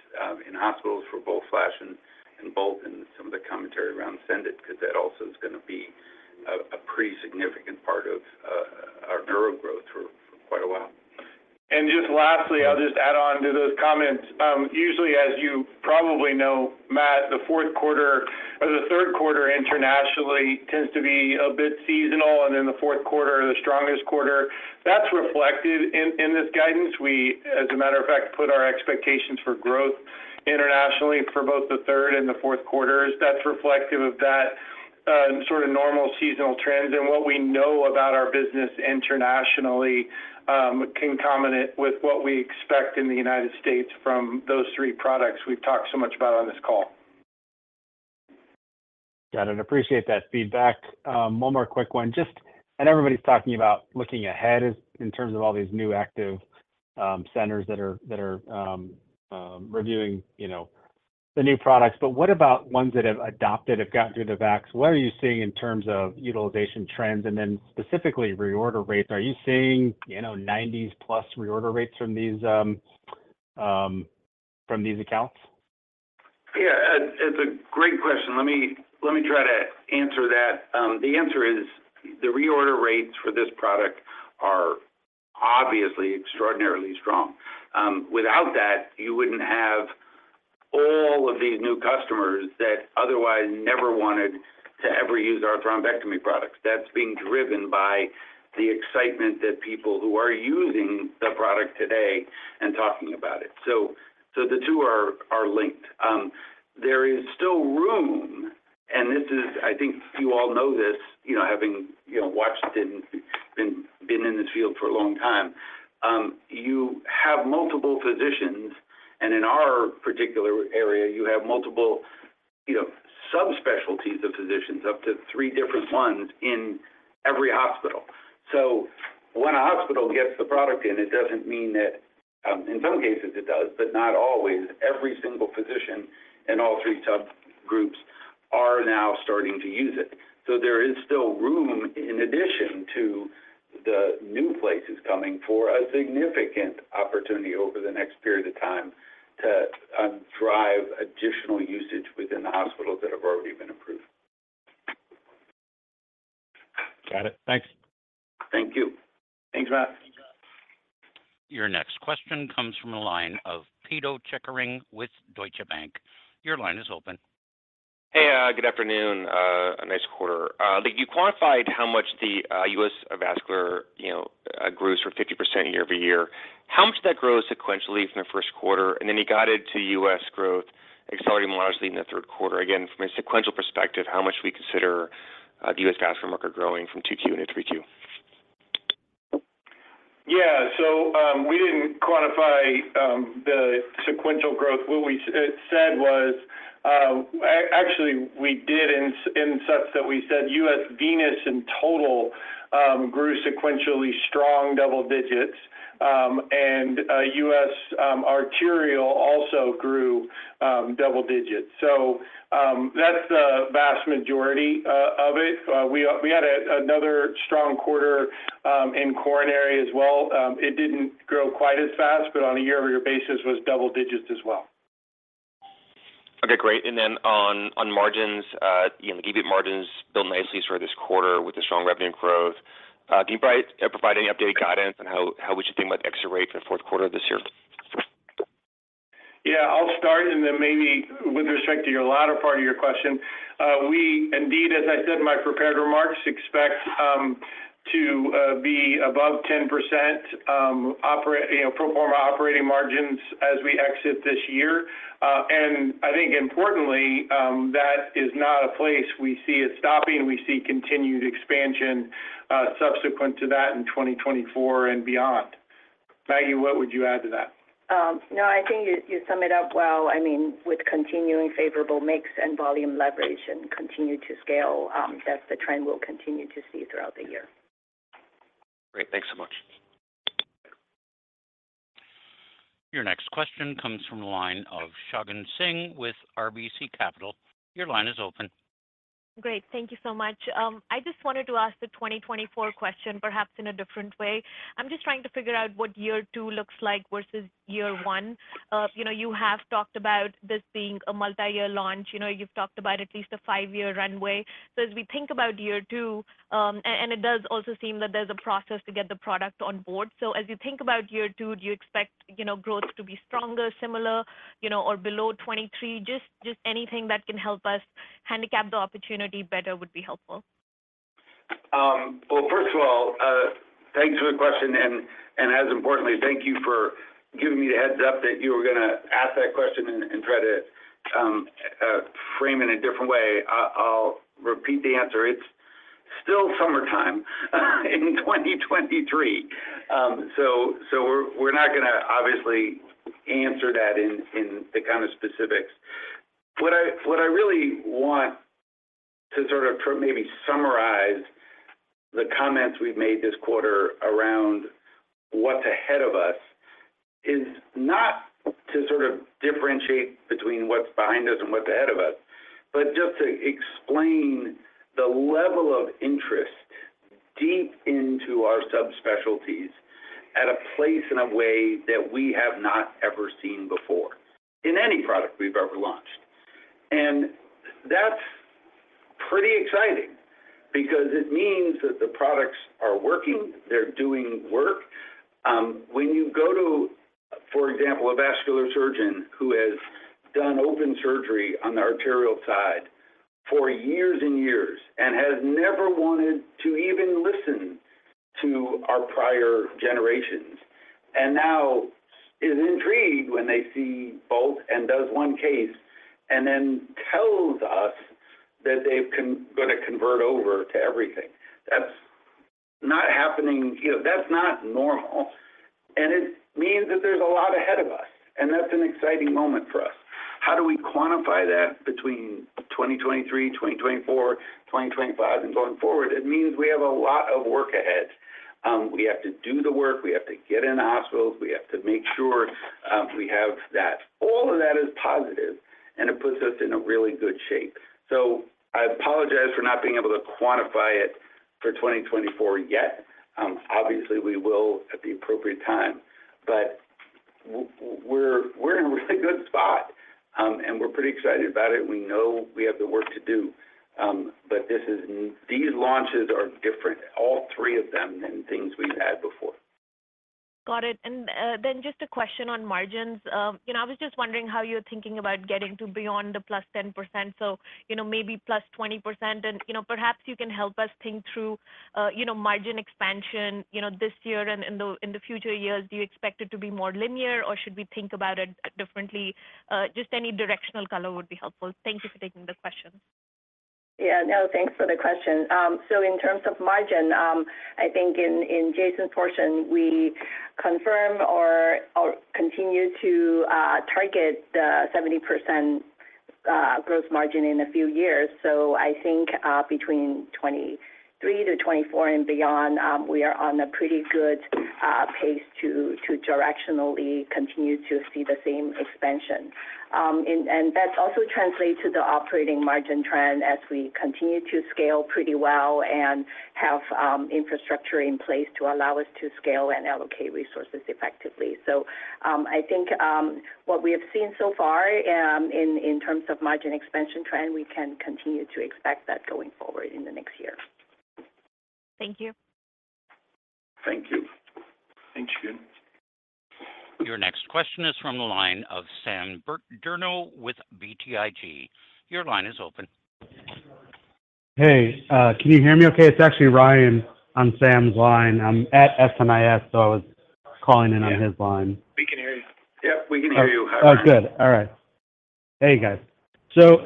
in hospitals for both Flash and, and both in some of the commentary around SENDit, because that also is going to be a pretty significant part of our neuro growth for, for quite a while. Just lastly, I'll just add on to those comments. Usually, as you probably know, Matt, the fourth quarter or the third quarter internationally tends to be a bit seasonal, and then the fourth quarter is the strongest quarter. That's reflected in, in this guidance. We, as a matter of fact, put our expectations for growth internationally for both the third and the fourth quarters. That's reflective of that sort of normal seasonal trends and what we know about our business internationally, concomitant with what we expect in the United States from those three products we've talked so much about on this call. Got it. Appreciate that feedback. One more quick one. Everybody's talking about looking ahead in, in terms of all these new active centers that are that are reviewing, you know, the new products, but what about ones that have adopted, have gotten through the VAC? What are you seeing in terms of utilization trends, and then specifically reorder rates? Are you seeing, you know, 90s plus reorder rates from these from these accounts? Yeah, it's, it's a great question. Let me, let me try to answer that. The answer is, the reorder rates for this product are obviously extraordinarily strong. Without that, you wouldn't have all of these new customers that otherwise never wanted to ever use our thrombectomy products. That's being driven by the excitement that people who are using the product today and talking about it. The two are, are linked. There is still room, and this is, I think you all know this, you know, having, you know, watched it and, and been in this field for a long time. You have multiple physicians, and in our particular area, you have multiple, you know, subspecialties of physicians, up to three different ones in every hospital. When a hospital gets the product in, it doesn't mean that, in some cases it does, but not always, every single physician in all three sub groups are now starting to use it. There is still room, in addition to the new places coming, for a significant opportunity over the next period of time to drive additional usage within the hospitals that have already been approved. Got it. Thanks. Thank you. Thanks, Matt. Your next question comes from the line of Pito Chickering with Deutsche Bank. Your line is open. Hey, good afternoon. A nice quarter. You quantified how much the U.S. vascular, you know, grew for 50% year-over-year. How much of that grew sequentially from the first quarter? Then you guided to U.S. growth accelerating largely in the third quarter. Again, from a sequential perspective, how much we consider the U.S. vascular market growing from 2Q into 3Q? Yeah, we didn't quantify the sequential growth. What we said was, actually, we did in such that we said U.S. venous in total grew sequentially strong double digits, and U.S. arterial also grew double digits. That's the vast majority of it. We, we had another strong quarter in coronary as well. It didn't grow quite as fast, but on a year-over-year basis, was double digits as well. Okay, great. Then on, on margins, you know, EBIT margins built nicely for this quarter with the strong revenue growth. Can you provide any updated guidance on how, how we should think about exit rate for the fourth quarter of this year? Yeah, I'll start, then maybe with respect to your latter part of your question, we indeed, as I said in my prepared remarks, expect to be above 10% operate, you know, pro forma operating margins as we exit 2023. I think importantly, that is not a place we see it stopping. We see continued expansion subsequent to that in 2024 and beyond. Maggie, what would you add to that? No, I think you, you sum it up well. I mean, with continuing favorable mix and volume leverage and continue to scale, that's the trend we'll continue to see throughout the year. Great. Thanks so much. Your next question comes from the line of Shagun Singh with RBC Capital. Your line is open. Great. Thank you so much. I just wanted to ask the 2024 question, perhaps in a different way. I'm just trying to figure out what year two looks like versus year one. You know, you have talked about this being a multi-year launch. You know, you've talked about at least a five-year runway. As we think about year two, and, and it does also seem that there's a process to get the product on board. As you think about year two, do you expect, you know, growth to be stronger, similar, you know, or below 2023? Just, just anything that can help us handicap the opportunity better would be helpful. Well, first of all, thanks for the question, and as importantly, thank you for giving me the heads up that you were gonna ask that question and try to frame it in a different way. I'll repeat the answer. It's still summertime in 2023. So we're, we're not gonna obviously answer that in, in the kind of specifics. What I, what I really want to sort of maybe summarize the comments we've made this quarter around what's ahead of us, is not to sort of differentiate between what's behind us and what's ahead of us, but just to explain the level of interest deep into our subspecialties at a place and a way that we have not ever seen before, in any product we've ever launched. That's pretty exciting because it means that the products are working, they're doing work. When you go to, for example, a vascular surgeon who has done open surgery on the arterial side for years and years, and has never wanted to even listen to our prior generations, and now is intrigued when they see Bolt and does one case, and then tells us that they've gonna convert over to everything. That's not happening. You know, that's not normal, and it means that there's a lot ahead of us, and that's an exciting moment for us. How do we quantify that between 2023, 2024, 2025, and going forward? It means we have a lot of work ahead. We have to do the work, we have to get in the hospitals, we have to make sure, we have that. All of that is positive, and it puts us in a really good shape. I apologize for not being able to quantify it for 2024 yet. Obviously, we will at the appropriate time. We're, we're in a really good spot, and we're pretty excited about it. We know we have the work to do, but this is these launches are different, all three of them, than things we've had before. Got it. Then just a question on margins. You know, I was just wondering how you're thinking about getting to beyond the +10%, so, you know, maybe +20%. You know, perhaps you can help us think through, you know, margin expansion, you know, this year and in the, in the future years. Do you expect it to be more linear, or should we think about it differently? Just any directional color would be helpful. Thank you for taking the question. Yeah. No, thanks for the question. In terms of margin, I think in Jason's portion, we confirm or continue to target the 70% growth margin in a few years. I think between 2023-2024 and beyond, we are on a pretty good pace to directionally continue to see the same expansion. And that's also translate to the operating margin trend as we continue to scale pretty well and have infrastructure in place to allow us to scale and allocate resources effectively. I think what we have seen so far in terms of margin expansion trend, we can continue to expect that going forward in the next year. Thank you. Thank you. Thank you. Your next question is from the line of Sam Brodsky with BTIG. Your line is open. Hey, can you hear me okay? It's actually Ryan on Sam's line. I'm at SNIS, so I was calling in on his line. We can hear you. Yep, we can hear you. Oh, good. All right. Hey, guys. Two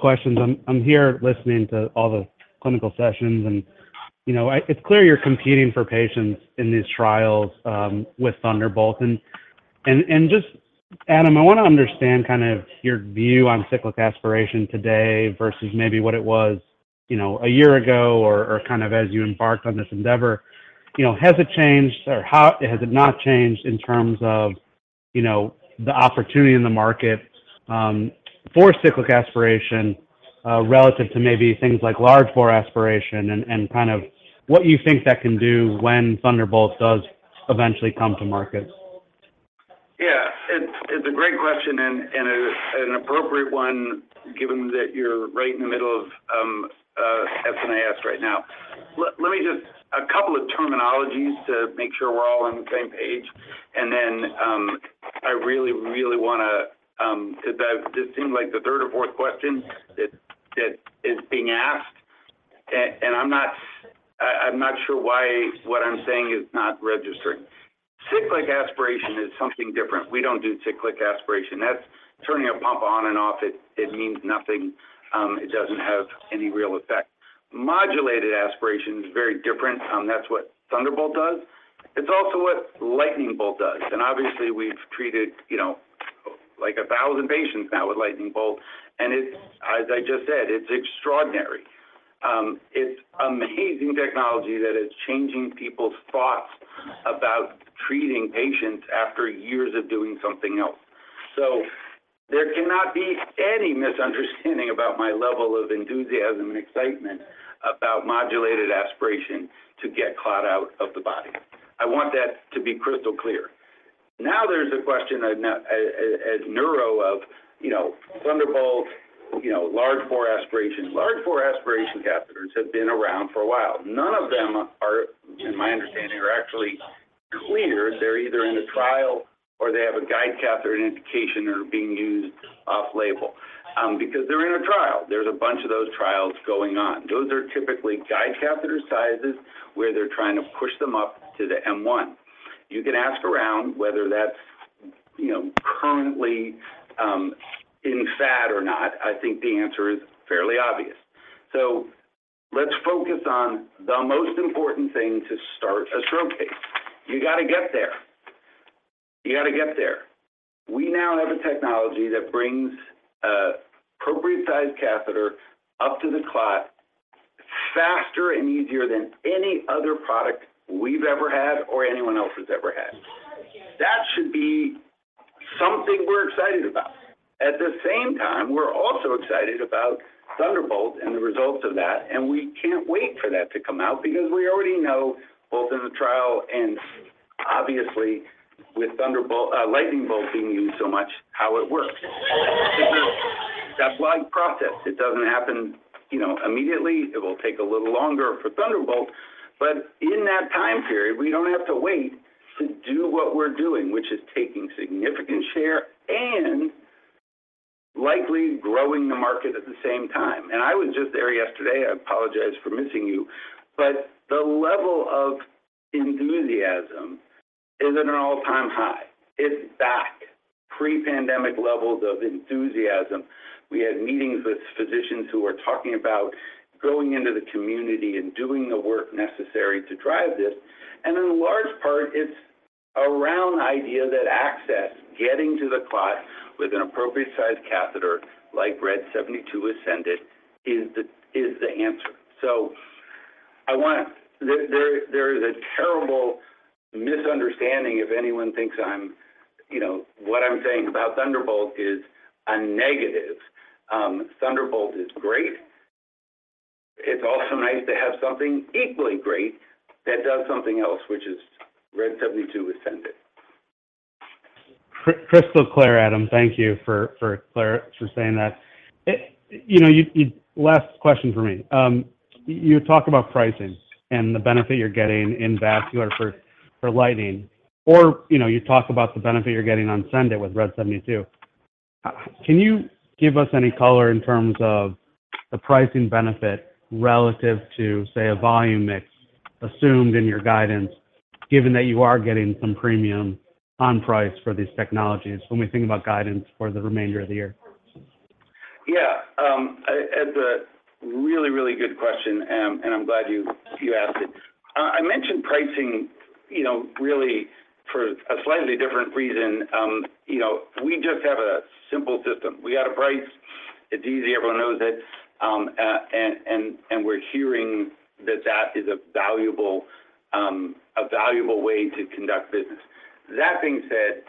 questions. I'm, I'm here listening to all the clinical sessions and, you know, it's clear you're competing for patients in these trials with Thunderbolt. Just, Adam, I want to understand kind of your view on cyclic aspiration today versus maybe what it was, you know, one year ago or kind of as you embarked on this endeavor. You know, has it changed, or how has it not changed in terms of, you know, the opportunity in the market for cyclic aspiration relative to maybe things like large bore aspiration, and kind of what you think that can do when Thunderbolt does eventually come to market? Yeah. It's, it's a great question and, and it is an appropriate one, given that you're right in the middle of SNIS right now. Let me just. A couple of terminologies to make sure we're all on the same page, and then, I really, really wanna, 'cause that this seemed like the third or fourth question that, that is being asked, and I'm not sure why what I'm saying is not registering. Cyclic aspiration is something different. We don't do cyclic aspiration. That's turning a pump on and off. It, it means nothing. It doesn't have any real effect. Modulated aspiration is very different, that's what Thunderbolt does. It's also what Lightning Bolt does. Obviously, we've treated, you know, like 1,000 patients now with Lightning Bolt, and it's, as I just said, it's extraordinary. It's amazing technology that is changing people's thoughts about treating patients after years of doing something else. So there cannot be any misunderstanding about my level of enthusiasm and excitement about modulated aspiration to get clot out of the body. I want that to be crystal clear. Now, there's a question of now, as neuro of, you know, Thunderbolt, you know, large bore aspiration. Large bore aspiration catheters have been around for a while. None of them, and my understanding are actually clear. They're either in a trial or they have a guide catheter indication or being used off label because they're in a trial. There's a bunch of those trials going on. Those are typically guide catheter sizes where they're trying to push them up to the M1. You can ask around whether that's, you know, currently in fad or not. I think the answer is fairly obvious. Let's focus on the most important thing to start a stroke case. You got to get there. You got to get there. We now have a technology that brings a appropriate size catheter up to the clot faster and easier than any other product we've ever had or anyone else has ever had. That should be something we're excited about. At the same time, we're also excited about Thunderbolt and the results of that, and we can't wait for that to come out because we already know, both in the trial and obviously with Thunderbolt, Lightning Bolt being used so much, how it works. It's a that long process. It doesn't happen, you know, immediately. It will take a little longer for Thunderbolt, but in that time period, we don't have to wait to do what we're doing, which is taking significant share and likely growing the market at the same time. I was just there yesterday, I apologize for missing you, but the level of enthusiasm is at an all-time high. It's back. Pre-pandemic levels of enthusiasm. We had meetings with physicians who are talking about going into the community and doing the work necessary to drive this. In large part, it's around the idea that access, getting to the clot with an appropriate-sized catheter like RED 72 with SENDit is the, is the answer. I want to. There, there, there is a terrible misunderstanding if anyone thinks I'm, you know, what I'm saying about Thunderbolt is a negative. Thunderbolt is great. It's also nice to have something equally great that does something else, which is RED 72 with SENDit. Crystal clear, Adam. Thank you for saying that. You know, last question for me. You talk about pricing and the benefit you're getting in that quarter for Lightning, or, you know, you talk about the benefit you're getting on SENDit with RED 72. Can you give us any color in terms of the pricing benefit relative to, say, a volume mix assumed in your guidance, given that you are getting some premium on price for these technologies when we think about guidance for the remainder of the year? Yeah. That's a really, really good question, and I'm glad you, you asked it. I mentioned pricing, you know, really for a slightly different reason. You know, we just have a simple system. We got a price, it's easy, everyone knows it, and we're hearing that that is a valuable, a valuable way to conduct business. That being said,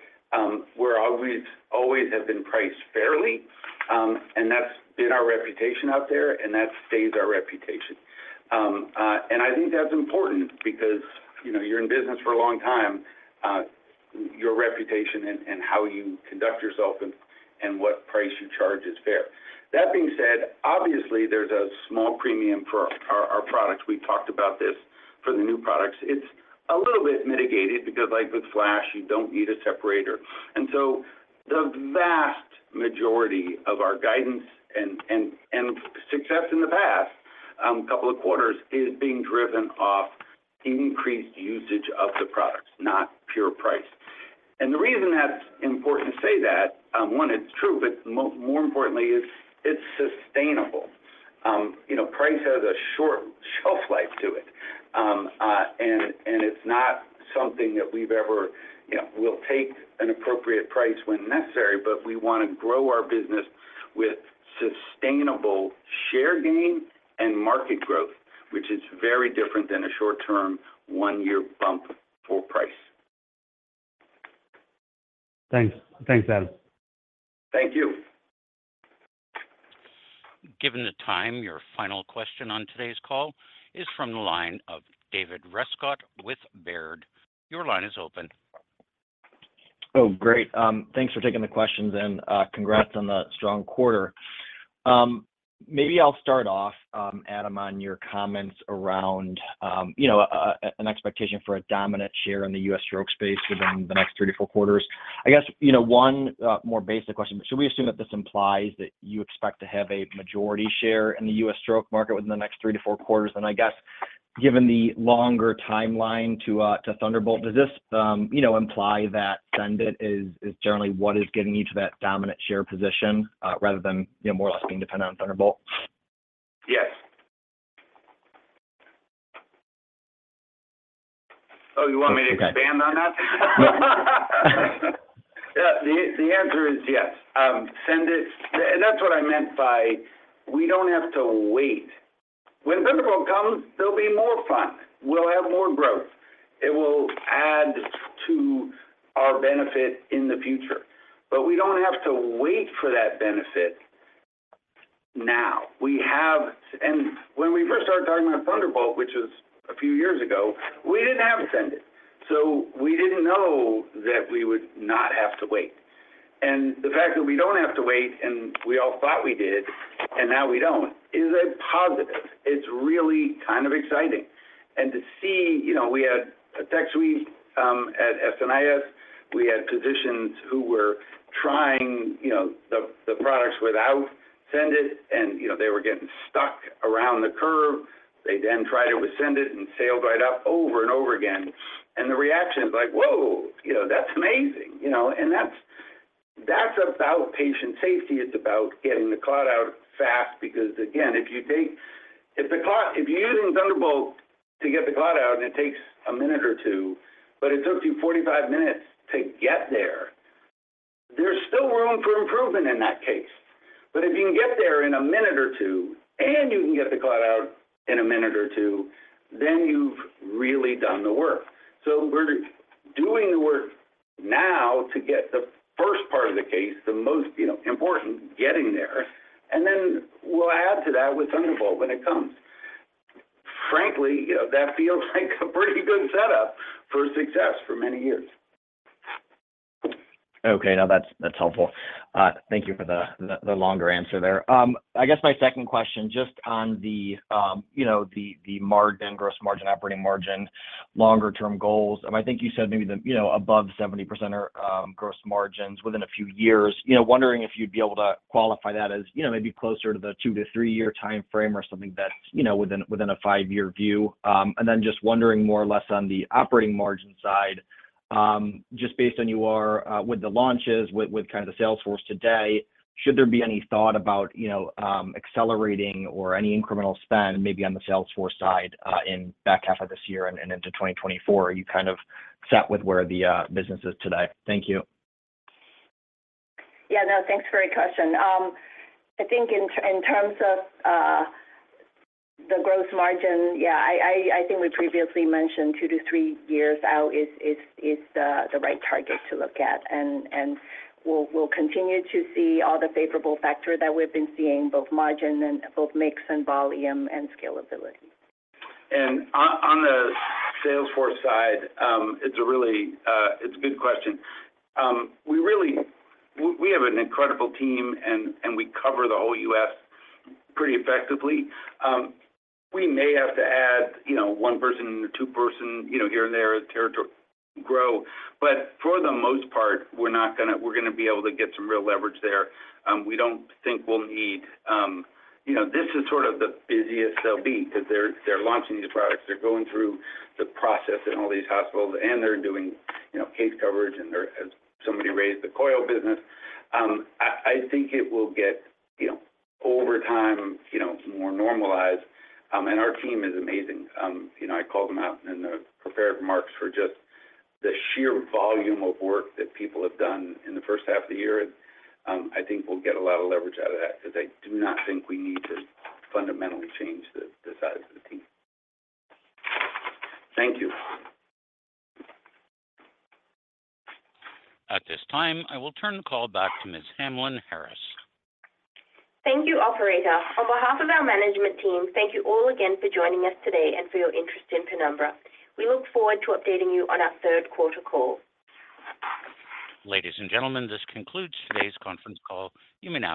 we're always, always have been priced fairly, and that's been our reputation out there, and that stays our reputation. I think that's important because, you know, you're in business for a long time, your reputation and, and how you conduct yourself and, and what price you charge is fair. That being said, obviously, there's a small premium for our, our products. We talked about this for the new products. It's a little bit mitigated because like with Flash, you don't need a separator. So the vast majority of our guidance and, and, and success in the past, couple of quarters, is being driven off increased usage of the products, not pure price. The reason that's important to say that, one, it's true, but more importantly, is it's sustainable. You know, price has a short shelf life to it, and, and it's not something that we've ever, you know, we'll take an appropriate price when necessary, but we want to grow our business with sustainable share gain and market growth, which is very different than a short-term, one-year bump for price. Thanks. Thanks, Adam. Thank you. Given the time, your final question on today's call is from the line of David Rescott with Baird. Your line is open. Oh, great. Thanks for taking the questions and congrats on the strong quarter. Maybe I'll start off, Adam, on your comments around, you know, an expectation for a dominant share in the U.S. stroke space within the next three to four quarters. I guess, you know, one, more basic question, should we assume that this implies that you expect to have a majority share in the U.S. stroke market within the next three to four quarters? And I guess, given the longer timeline to Thunderbolt, does this, you know, imply that SENDit is, is generally what is getting you to that dominant share position, rather than, you know, more or less being dependent on Thunderbolt? Yes. Oh, you want me to expand on that? Yeah, the answer is yes. SENDit, and that's what I meant by we don't have to wait. When Thunderbolt comes, there'll be more fun, we'll have more growth. It will add to our benefit in the future, but we don't have to wait for that benefit now. We have and when we first started talking about Thunderbolt, which is a few years ago, we didn't have SENDit. Didn't know that we would not have to wait. The fact that we don't have to wait, and we all thought we did, and now we don't, is a positive. It's really kind of exciting. To see, you know, we had a tech suite at SNIS. We had physicians who were trying, you know, the products without SENDit, and, you know, they were getting stuck around the curve. They then tried it with SENDit and sailed right up over and over again. The reaction is like: "Whoa! You know, that's amazing." You know, that's, that's about patient safety. It's about getting the clot out fast, because, again, if you're using Thunderbolt to get the clot out and it takes a minute or two, but it took you 45 minutes to get there, there's still room for improvement in that case. If you can get there in a minute or two, and you can get the clot out in a minute or two, then you've really done the work. We're doing the work now to get the first part of the case, the most, you know, important, getting there, and then we'll add to that with Thunderbolt when it comes. Frankly, you know, that feels like a pretty good setup for success for many years. Okay, now that's, that's helpful. Thank you for the, the, the longer answer there. I guess my second question, just on the, you know, the, the margin, gross margin, operating margin, longer term goals. I think you said maybe the, you know, above 70%, gross margins within a few years. You know, wondering if you'd be able to qualify that as, you know, maybe closer to the two to three-year timeframe or something that's, you know, within, within a five-year view. And then just wondering more or less on the operating margin side, just based on you are, with the launches, with, with kind of the sales force today, should there be any thought about, you know, accelerating or any incremental spend maybe on the sales force side, in back half of this year and, and into 2024? Are you kind of set with where the business is today? Thank you. Yeah, no, thanks for your question. I think in, in terms of the gross margin, yeah, I, I, I think we previously mentioned two to three years out is, is, is the, the right target to look at. We'll continue to see all the favorable factors that we've been seeing, both margin and both mix and volume and scalability. On, on the sales force side, it's a really, it's a good question. We really we have an incredible team, and we cover the whole U.S. pretty effectively. We may have to add, you know, one person or two person, you know, here and there as territory grow. For the most part, we're not gonna we're gonna be able to get some real leverage there. We don't think we'll need. You know, this is sort of the busiest they'll be because they're launching these products, they're going through the process in all these hospitals, and they're doing, you know, case coverage, and they're, as somebody raised the coil business. I, I think it will get, you know, over time, you know, more normalized. Our team is amazing. You know, I called them out in the prepared remarks for just the sheer volume of work that people have done in the first half of the year. I think we'll get a lot of leverage out of that, because I do not think we need to fundamentally change the, the size of the team. Thank you. At this time, I will turn the call back to Ms. Hamlyn-Harris. Thank you, operator. On behalf of our management team, thank you all again for joining us today and for your interest in Penumbra. We look forward to updating you on our third quarter call. Ladies and gentlemen, this concludes today's conference call. You may now-